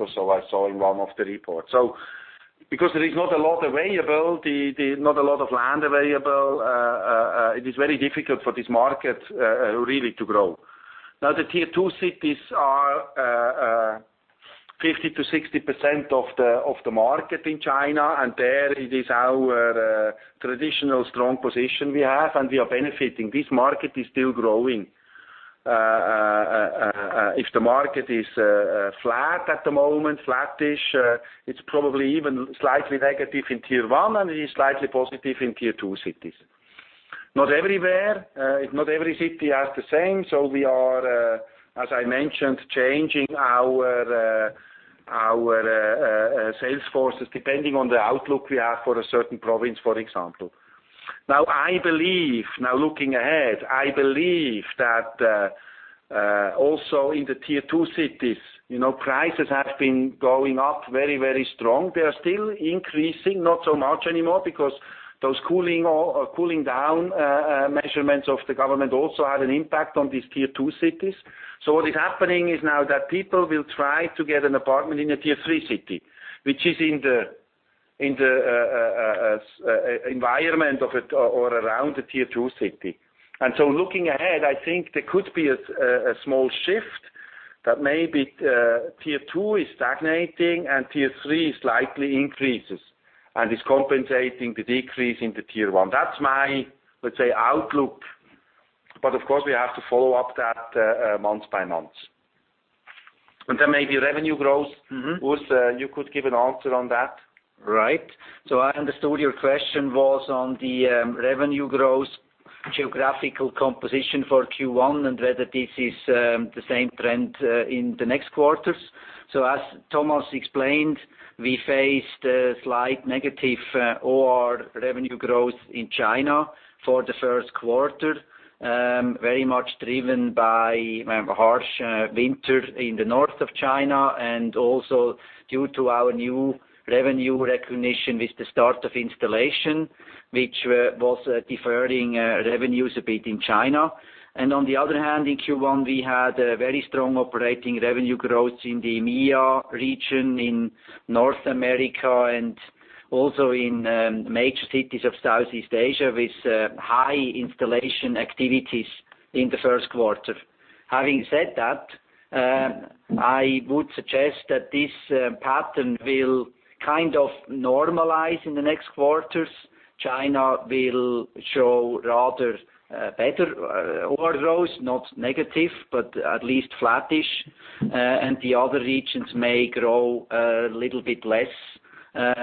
or so I saw in one of the reports. Because there is not a lot available, not a lot of land available, it is very difficult for this market really to grow. The Tier 2 cities are 50%-60% of the market in China, and there it is our traditional strong position we have, and we are benefiting. This market is still growing. If the market is flat at the moment, flattish, it is probably even slightly negative in tier 1, and it is slightly positive in tier 2 cities. Not everywhere. Not every city has the same. We are, as I mentioned, changing our sales forces depending on the outlook we have for a certain province, for example. Looking ahead, I believe that also in the tier 2 cities, prices have been going up very, very strong. They are still increasing, not so much anymore because those cooling down measurements of the government also had an impact on these tier 2 cities. What is happening is now that people will try to get an apartment in a tier 3 city, which is in the environment of, or around a tier 2 city. Looking ahead, I think there could be a small shift that maybe tier 2 is stagnating and tier 3 slightly increases and is compensating the decrease in the tier 1. That's my, let's say, outlook. Of course, we have to follow up that month by month. Maybe revenue growth. Urs, you could give an answer on that. Right. I understood your question was on the revenue growth geographical composition for Q1 and whether this is the same trend in the next quarters. As Thomas explained, we faced a slight negative OR revenue growth in China for the first quarter, very much driven by harsh winter in the north of China, and also due to our new revenue recognition with the start of installation, which was deferring revenues a bit in China. On the other hand, in Q1, we had a very strong operating revenue growth in the EMEA region, in North America, and also in major cities of Southeast Asia, with high installation activities in the first quarter. Having said that, I would suggest that this pattern will kind of normalize in the next quarters. China will show rather better over those, not negative, but at least flattish. The other regions may grow a little bit less. It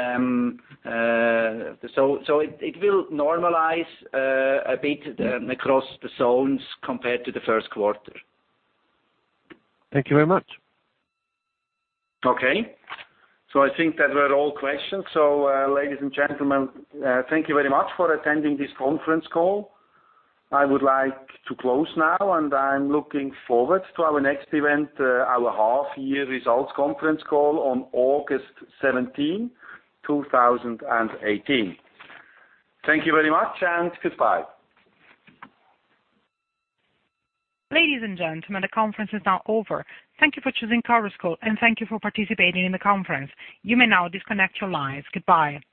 will normalize a bit across the zones compared to the first quarter. Thank you very much. Okay. I think that were all questions. Ladies and gentlemen, thank you very much for attending this conference call. I would like to close now, and I'm looking forward to our next event, our half year results conference call on August 17, 2018. Thank you very much, and goodbye. Ladies and gentlemen, the conference is now over. Thank you for choosing Chorus Call, and thank you for participating in the conference. You may now disconnect your lines. Goodbye.